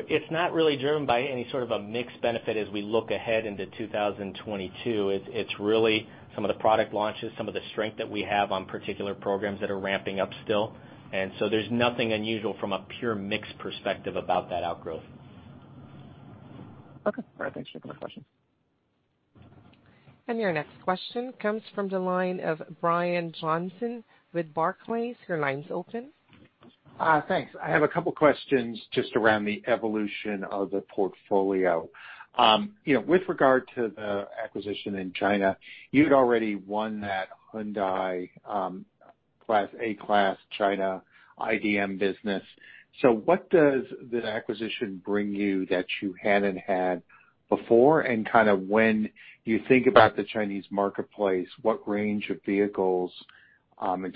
It's not really driven by any sort of a mix benefit as we look ahead into 2022. It's really some of the product launches, some of the strength that we have on particular programs that are ramping up still. There's nothing unusual from a pure mix perspective about that outgrowth. Okay. All right, thanks for the question. Your next question comes from the line of Brian Johnson with Barclays. Your line's open. Thanks. I have a couple questions just around the evolution of the portfolio. You know, with regard to the acquisition in China, you'd already won that Hyundai class A class China IDM business. So what does that acquisition bring you that you hadn't had before? Kind of when you think about the Chinese marketplace, what range of vehicles in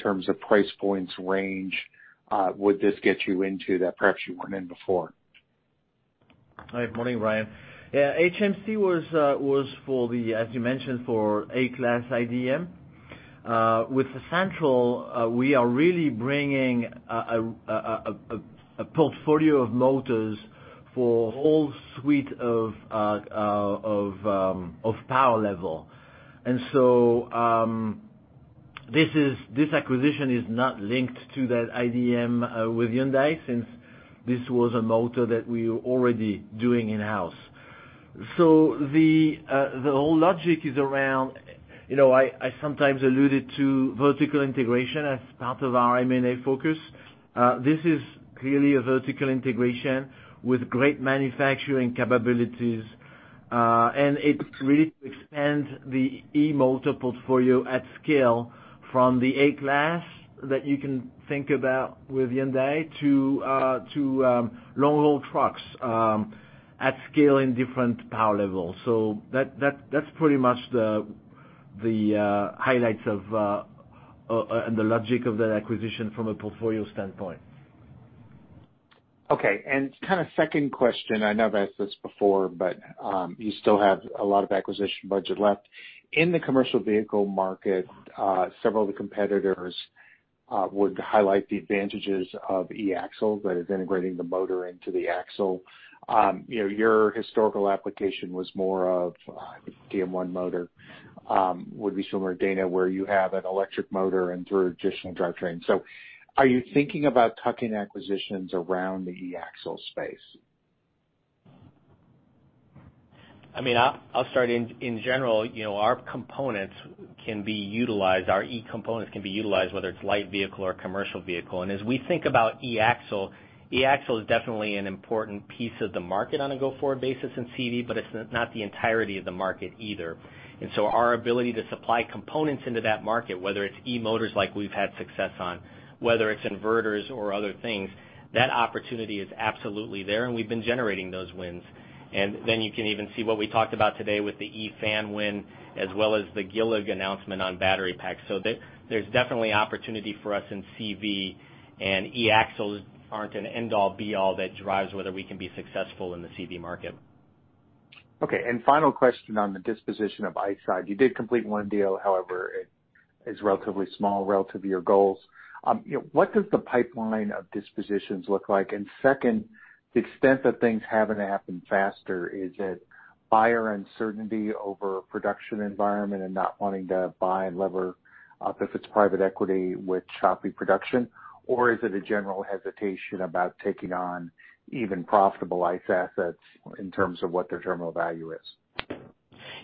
terms of price points range would this get you into that perhaps you weren't in before? Hi. Morning, Brian. Yeah, HMC was for the, as you mentioned, for A-class IDM. With Santroll, we are really bringing a portfolio of motors for a whole suite of power levels. This acquisition is not linked to that IDM with Hyundai since this was a motor that we were already doing in-house. The whole logic is around, you know, I sometimes alluded to vertical integration as part of our M&A focus. This is clearly a vertical integration with great manufacturing capabilities. It really expands the e-motor portfolio at scale from the A class that you can think about with Hyundai to long-haul trucks at scale in different power levels. That's pretty much the highlights of and the logic of that acquisition from a portfolio standpoint. Okay. Kind of second question, I know I've asked this before, but you still have a lot of acquisition budget left. In the commercial vehicle market, several of the competitors would highlight the advantages of e-axle, that is integrating the motor into the axle. You know, your historical application was more of DM1 motor, would be similar to Dana, where you have an electric motor and through additional drivetrain. Are you thinking about tucking acquisitions around the e-axle space? I mean, I'll start. In general, you know, our components can be utilized, our e-components can be utilized, whether it's light vehicle or commercial vehicle. As we think about e-axle, e-axle is definitely an important piece of the market on a go-forward basis in CV, but it's not the entirety of the market either. Our ability to supply components into that market, whether it's e-motors like we've had success on, whether it's inverters or other things, that opportunity is absolutely there, and we've been generating those wins. Then you can even see what we talked about today with the eFan win, as well as the Gillig announcement on battery packs. There's definitely opportunity for us in CV, and e-axles aren't an end-all be-all that drives whether we can be successful in the CV market. Okay. Final question on the disposition of ICE side. You did complete one deal, however it is relatively small relative to your goals. What does the pipeline of dispositions look like? Second, the extent that things haven't happened faster, is it buyer uncertainty over production environment and not wanting to buy and lever up if it's private equity with choppy production? Or is it a general hesitation about taking on even profitable ICE assets in terms of what their terminal value is?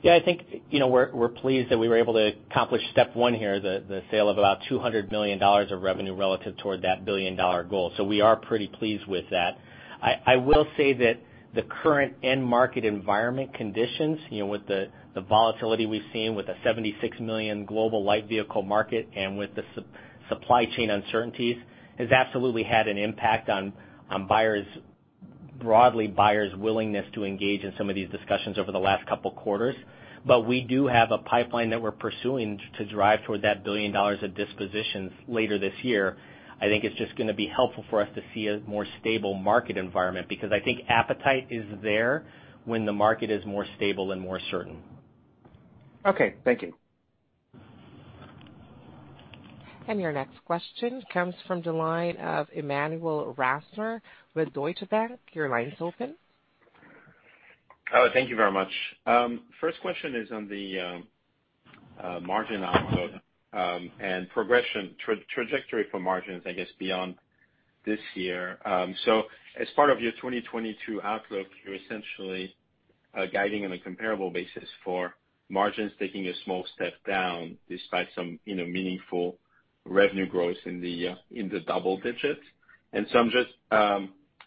Yeah, I think, you know, we're pleased that we were able to accomplish step one here, the sale of about $200 million of revenue relative to that $1 billion goal. We are pretty pleased with that. I will say that the current end market environment conditions, you know, with the volatility we've seen with the 76 million global light vehicle market and with the supply chain uncertainties, has absolutely had an impact on buyers broadly, buyers' willingness to engage in some of these discussions over the last couple quarters. We do have a pipeline that we're pursuing to drive toward that $1 billion of dispositions later this year. I think it's just gonna be helpful for us to see a more stable market environment, because I think appetite is there when the market is more stable and more certain. Okay, thank you. Your next question comes from the line of Emmanuel Rosner with Deutsche Bank. Your line is open. Oh, thank you very much. First question is on the margin outlook and trajectory for margins, I guess, beyond this year. As part of your 2022 outlook, you're essentially guiding on a comparable basis for margins taking a small step down despite some, you know, meaningful revenue growth in the double digits. I'm just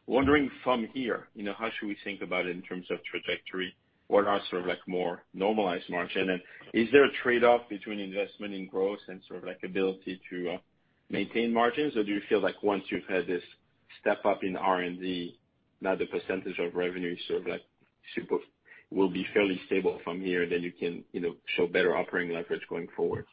wondering from here, you know, how should we think about it in terms of trajectory? What are sort of like more normalized margin? Is there a trade-off between investment in growth and sort of like ability to maintain margins? Do you feel like once you've had this step up in R&D, now the percentage of revenue is sort of like will be fairly stable from here, then you can, you know, show better operating leverage going forward?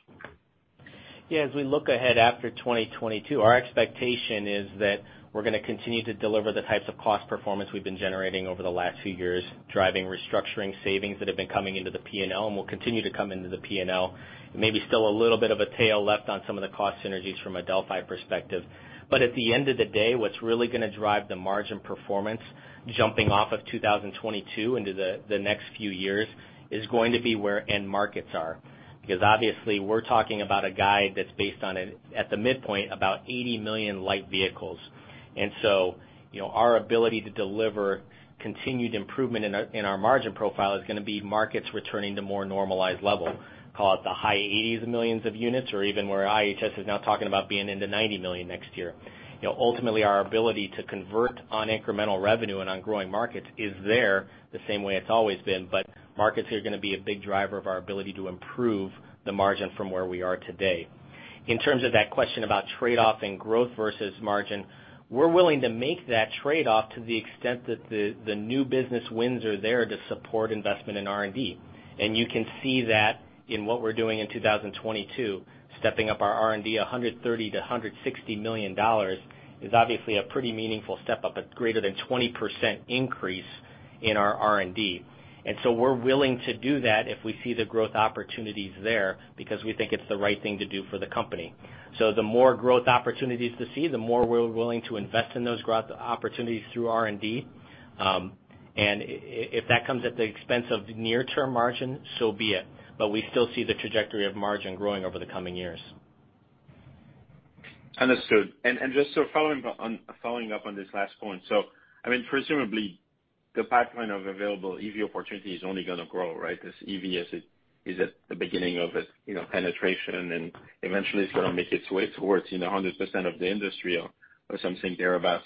Yeah. As we look ahead after 2022, our expectation is that we're gonna continue to deliver the types of cost performance we've been generating over the last few years, driving restructuring savings that have been coming into the P&L and will continue to come into the P&L. Maybe still a little bit of a tail left on some of the cost synergies from a Delphi perspective. At the end of the day, what's really gonna drive the margin performance jumping off of 2022 into the next few years is going to be where end markets are. Because obviously, we're talking about a guide that's based on, at the midpoint, about 80 million light vehicles. You know, our ability to deliver continued improvement in our margin profile is gonna be markets returning to more normalized level, call it the high 80s millions of units or even where IHS is now talking about being in the 90 million next year. You know, ultimately, our ability to convert on incremental revenue and on growing markets is there the same way it's always been, but markets are gonna be a big driver of our ability to improve the margin from where we are today. In terms of that question about trade-off and growth versus margin, we're willing to make that trade-off to the extent that the new business wins are there to support investment in R&D. You can see that in what we're doing in 2022, stepping up our R&D $130 million-$160 million is obviously a pretty meaningful step up, a greater than 20% increase in our R&D. We're willing to do that if we see the growth opportunities there because we think it's the right thing to do for the company. The more growth opportunities to see, the more we're willing to invest in those growth opportunities through R&D. If that comes at the expense of near-term margin, so be it. We still see the trajectory of margin growing over the coming years. Understood. Following up on this last point, I mean, presumably the pipeline of available EV opportunity is only gonna grow, right? Because EV is at the beginning of its, you know, penetration, and eventually it's gonna make its way towards, you know, 100% of the industry or something thereabout.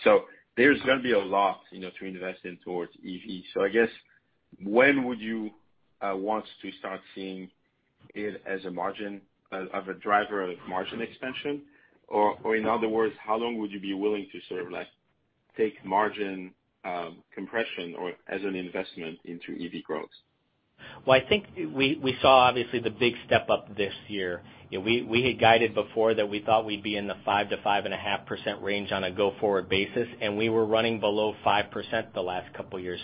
There's gonna be a lot, you know, to invest in towards EV. I guess when would you want to start seeing it as a margin of a driver of margin expansion? In other words, how long would you be willing to sort of like take margin compression or as an investment into EV growth? Well, I think we saw obviously the big step up this year. You know, we had guided before that we thought we'd be in the 5%-5.5% range on a go-forward basis, and we were running below 5% the last couple years.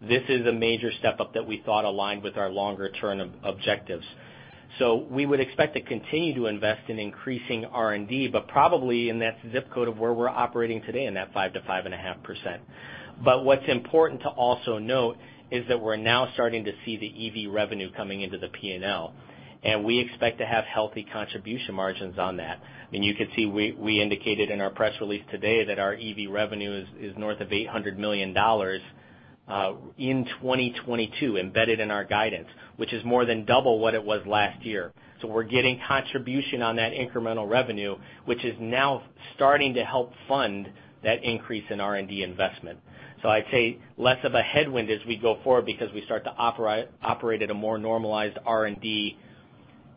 This is a major step up that we thought aligned with our longer-term objectives. We would expect to continue to invest in increasing R&D, but probably in that ZIP code of where we're operating today in that 5%-5.5%. What's important to also note is that we're now starting to see the EV revenue coming into the P&L, and we expect to have healthy contribution margins on that. I mean, you could see we indicated in our press release today that our EV revenue is north of $800 million in 2022 embedded in our guidance, which is more than double what it was last year. We're getting contribution on that incremental revenue, which is now starting to help fund that increase in R&D investment. I'd say less of a headwind as we go forward because we start to operate at a more normalized R&D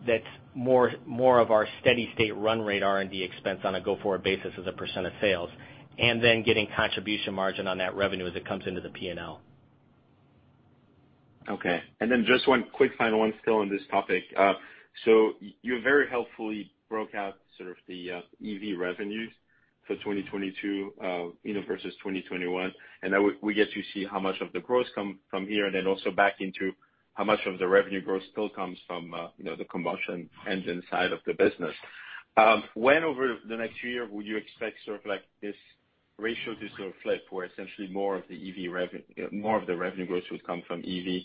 that's more of our steady-state run rate R&D expense on a go-forward basis as a percent of sales, and then getting contribution margin on that revenue as it comes into the P&L. Okay. Then just one quick final one still on this topic. So you very helpfully broke out sort of the EV revenues for 2022, you know, versus 2021. Now we get to see how much of the growth come from here and then also back into how much of the revenue growth still comes from, you know, the combustion engine side of the business. When over the next year would you expect sort of like this ratio to sort of flip, where essentially more of the revenue growth would come from EV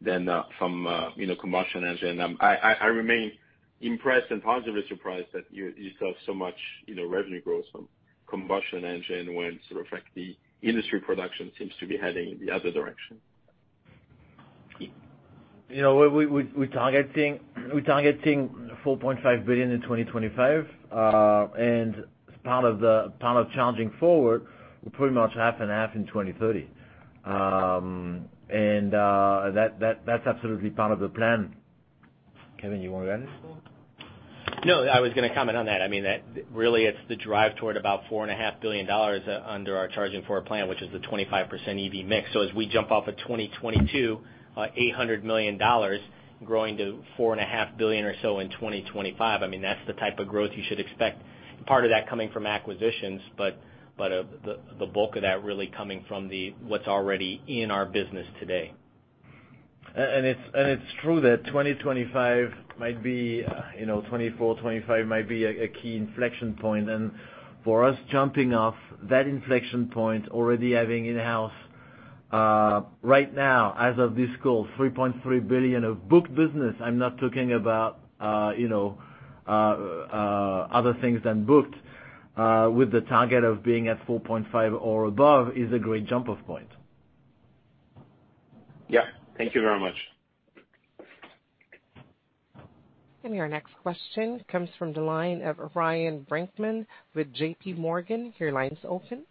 than from, you know, combustion engine? I remain impressed and positively surprised that you saw so much, you know, revenue growth from combustion engine when sort of like the industry production seems to be heading in the other direction. You know, we targeting $4.5 billion in 2025, and as part of Charging Forward, pretty much half and half in 2030. That's absolutely part of the plan. Kevin, you want to add anything? No, I was gonna comment on that. I mean, that really, it's the drive toward about $4.5 billion under our Charging Forward plan, which is the 25% EV mix. As we jump off of 2022, $800 million growing to $4.5 billion or so in 2025, I mean, that's the type of growth you should expect. Part of that coming from acquisitions, but the bulk of that really coming from what's already in our business today. It's true that 2024, 2025 might be a key inflection point. For us jumping off that inflection point already having in-house right now, as of this call, $3.3 billion of booked business. I'm not talking about other things than booked with the target of being at $4.5 or above is a great jump-off point. Yeah. Thank you very much. Your next question comes from the line of Ryan Brinkman with J.P. Morgan. Your line is open.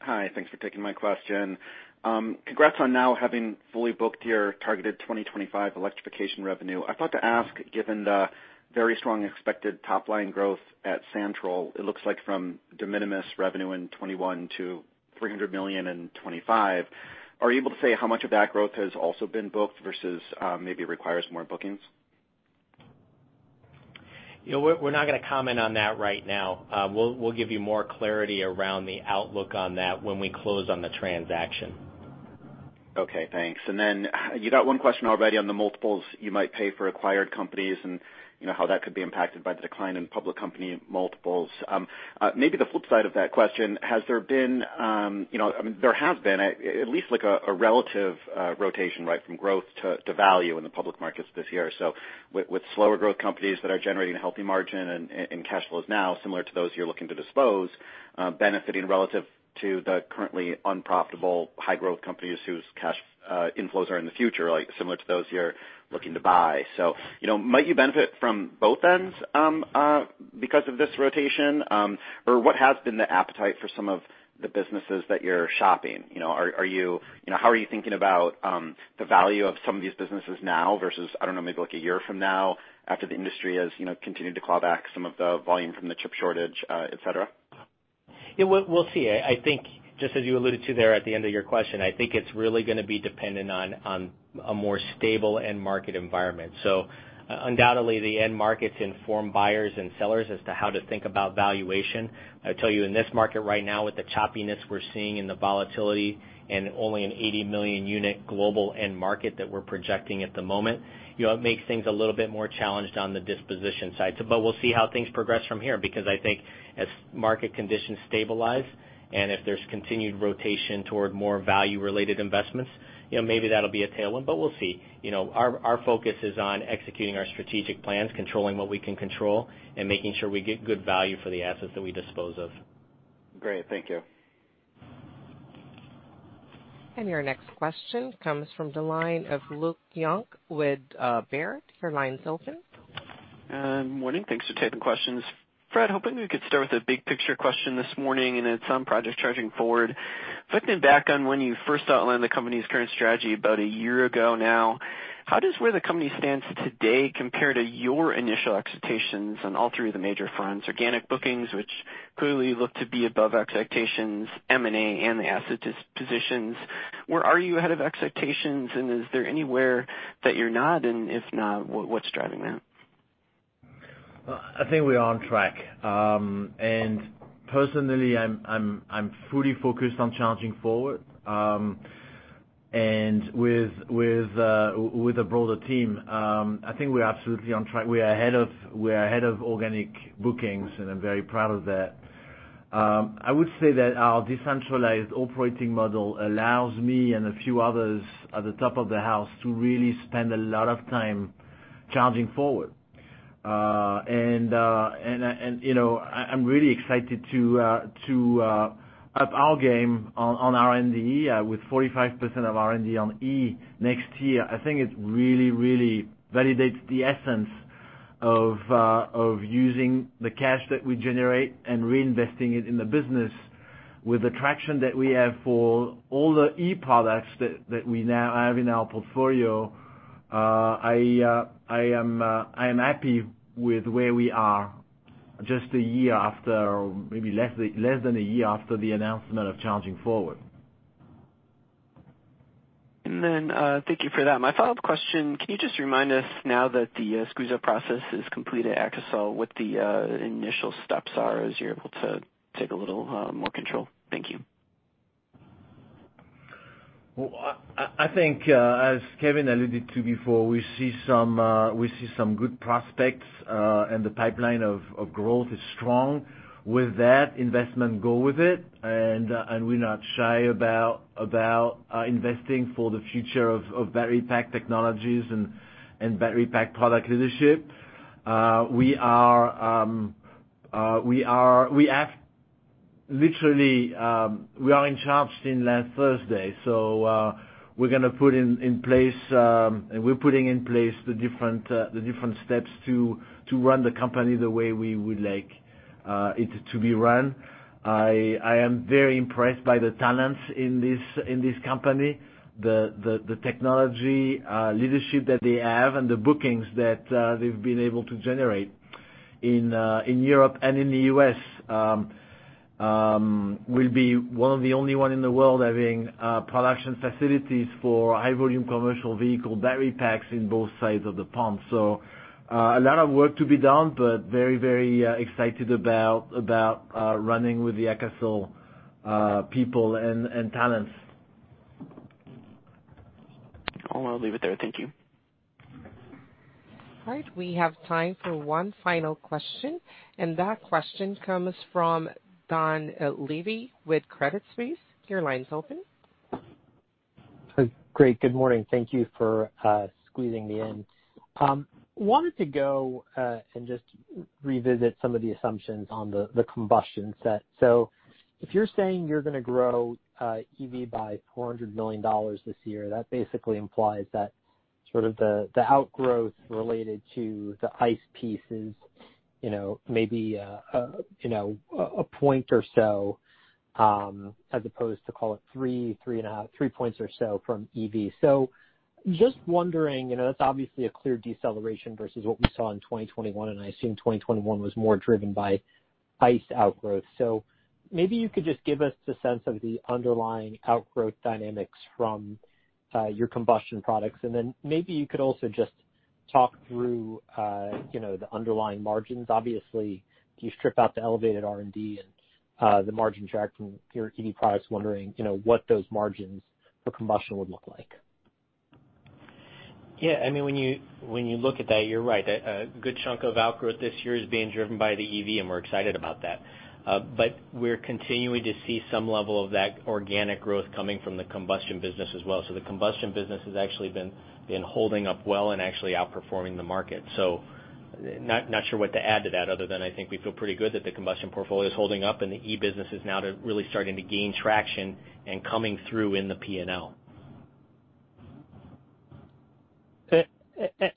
Hi. Thanks for taking my question. Congrats on now having fully booked your targeted 2025 electrification revenue. I thought to ask, given the very strong expected top line growth at Santroll, it looks like from de minimis revenue in 2021 to $300 million in 2025, are you able to say how much of that growth has also been booked versus, maybe requires more bookings? You know, we're not gonna comment on that right now. We'll give you more clarity around the outlook on that when we close on the transaction. Okay, thanks. Then you got one question already on the multiples you might pay for acquired companies and, you know, how that could be impacted by the decline in public company multiples. Maybe the flip side of that question, has there been, you know, I mean, there have been at least like a relative rotation, right, from growth to value in the public markets this year. With slower growth companies that are generating a healthy margin and cash flows now, similar to those you're looking to dispose, benefiting relative to the currently unprofitable high growth companies whose cash inflows are in the future, like similar to those you're looking to buy. You know, might you benefit from both ends because of this rotation? What has been the appetite for some of the businesses that you're shopping? How are you thinking about the value of some of these businesses now versus, I don't know, maybe like a year from now after the industry has continued to claw back some of the volume from the chip shortage, et cetera? Yeah, we'll see. I think, just as you alluded to there at the end of your question, I think it's really gonna be dependent on a more stable end market environment. Undoubtedly, the end markets inform buyers and sellers as to how to think about valuation. I tell you, in this market right now, with the choppiness we're seeing and the volatility and only an 80 million unit global end market that we're projecting at the moment, you know, it makes things a little bit more challenged on the disposition side. We'll see how things progress from here, because I think as market conditions stabilize and if there's continued rotation toward more value-related investments, you know, maybe that'll be a tailwind, but we'll see. You know, our focus is on executing our strategic plans, controlling what we can control, and making sure we get good value for the assets that we dispose of. Great. Thank you. Your next question comes from the line of Luke Junk with Baird. Your line is open. Morning. Thanks for taking questions. Fred, hoping we could start with a big picture question this morning and then some progress Charging Forward. Reflecting back on when you first outlined the company's current strategy about a year ago now, how does where the company stands today compare to your initial expectations on all three of the major fronts, organic bookings, which clearly look to be above expectations, M&A, and the asset dispositions? Where are you ahead of expectations, and is there anywhere that you're not? If not, what's driving that? I think we are on track. Personally, I'm fully focused on Charging Forward. With a broader team, I think we're absolutely on track. We are ahead of organic bookings, and I'm very proud of that. I would say that our decentralized operating model allows me and a few others at the top of the house to really spend a lot of time Charging Forward. You know, I'm really excited to up our game on R&D with 45% of R&D on E next year. I think it really validates the essence of using the cash that we generate and reinvesting it in the business. With the traction that we have for all the E products that we now have in our portfolio, I am happy with where we are just a year after or maybe less than a year after the announcement of Charging Forward. Thank you for that. My follow-up question, can you just remind us now that the squeeze-out process is complete at Akasol, what the initial steps are as you're able to take a little more control? Thank you. Well, I think, as Kevin alluded to before, we see some good prospects, and the pipeline of growth is strong. With that investment goes with it, and we're not shy about investing for the future of battery pack technologies and battery pack product leadership. We are literally in charge since last Thursday. We're putting in place the different steps to run the company the way we would like it to be run. I am very impressed by the talents in this company. The technology leadership that they have and the bookings that they've been able to generate in Europe and in the US will be one of the only one in the world having production facilities for high volume commercial vehicle battery packs in both sides of the pond. A lot of work to be done, but very excited about running with the Akasol people and talents. I'll leave it there. Thank you. All right. We have time for one final question, and that question comes from Dan Levy with Credit Suisse. Your line's open. Great. Good morning. Thank you for squeezing me in. I wanted to go and just revisit some of the assumptions on the combustion segment. If you're saying you're gonna grow EV by $400 million this year, that basically implies that sort of the outgrowth related to the ICE piece is, you know, maybe a point or so, as opposed to call it 3-3.5 points or so from EV. Just wondering, you know, that's obviously a clear deceleration versus what we saw in 2021, and I assume 2021 was more driven by ICE outgrowth. Maybe you could just give us the sense of the underlying outgrowth dynamics from your combustion products, and then maybe you could also just talk through, you know, the underlying margins. Obviously, you strip out the elevated R&D and the margin drag from your EV products, wondering, you know, what those margins for combustion would look like. Yeah. I mean, when you look at that, you're right. A good chunk of outgrowth this year is being driven by the EV, and we're excited about that. But we're continuing to see some level of that organic growth coming from the combustion business as well. The combustion business has actually been holding up well and actually outperforming the market. Not sure what to add to that other than I think we feel pretty good that the combustion portfolio is holding up and the EV business is now really starting to gain traction and coming through in the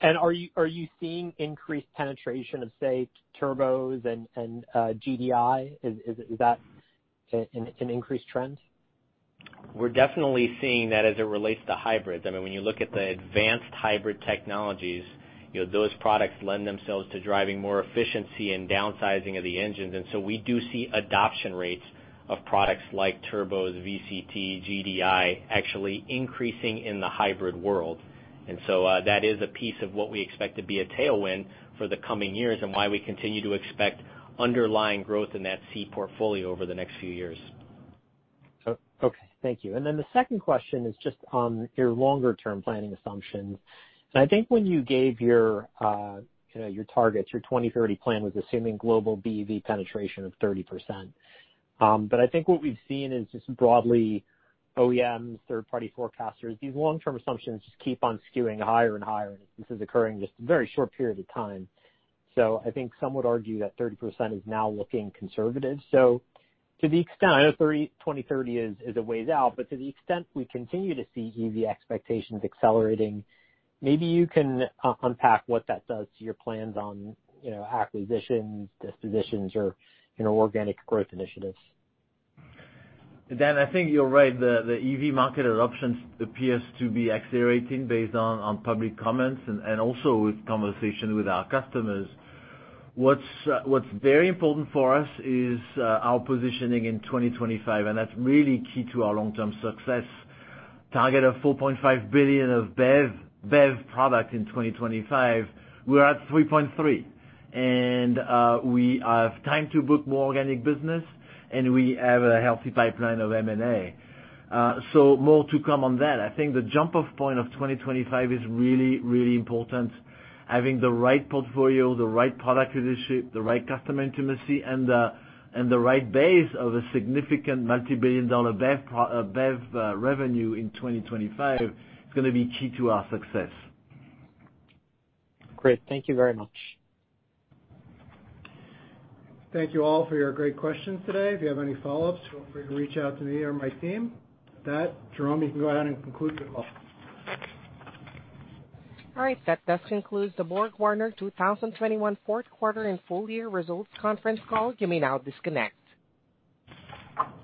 P&L. Are you seeing increased penetration of, say, turbos and GDI? Is it an increased trend? We're definitely seeing that as it relates to hybrids. I mean, when you look at the advanced hybrid technologies, you know, those products lend themselves to driving more efficiency and downsizing of the engines. We do see adoption rates of products like turbos, VCT, GDI, actually increasing in the hybrid world. That is a piece of what we expect to be a tailwind for the coming years and why we continue to expect underlying growth in that C portfolio over the next few years. Okay. Thank you. Then the second question is just on your longer term planning assumptions. I think when you gave your, you know, your targets, your 2030 plan was assuming global BEV penetration of 30%. I think what we've seen is just broadly OEMs, third party forecasters, these long-term assumptions just keep on skewing higher and higher, and this is occurring just in a very short period of time. I think some would argue that 30% is now looking conservative. To the extent, I know 2030 is a ways out, but to the extent we continue to see EV expectations accelerating, maybe you can unpack what that does to your plans on, you know, acquisitions, dispositions, or, you know, organic growth initiatives. Dan, I think you're right. The EV market adoption appears to be accelerating based on public comments and also with conversations with our customers. What's very important for us is our positioning in 2025, and that's really key to our long-term success. Target of $4.5 billion of BEV product in 2025. We're at $3.3. We have time to book more organic business, and we have a healthy pipeline of M&A. So more to come on that. I think the jump off point of 2025 is really important. Having the right portfolio, the right product leadership, the right customer intimacy, and the right base of a significant multi-billion-dollar BEV revenue in 2025 is gonna be key to our success. Great. Thank you very much. Thank you all for your great questions today. If you have any follow-ups, feel free to reach out to me or my team. With that, Jerome, you can go ahead and conclude the call. All right. That does conclude the BorgWarner 2021 fourth quarter and full year results conference call. You may now disconnect.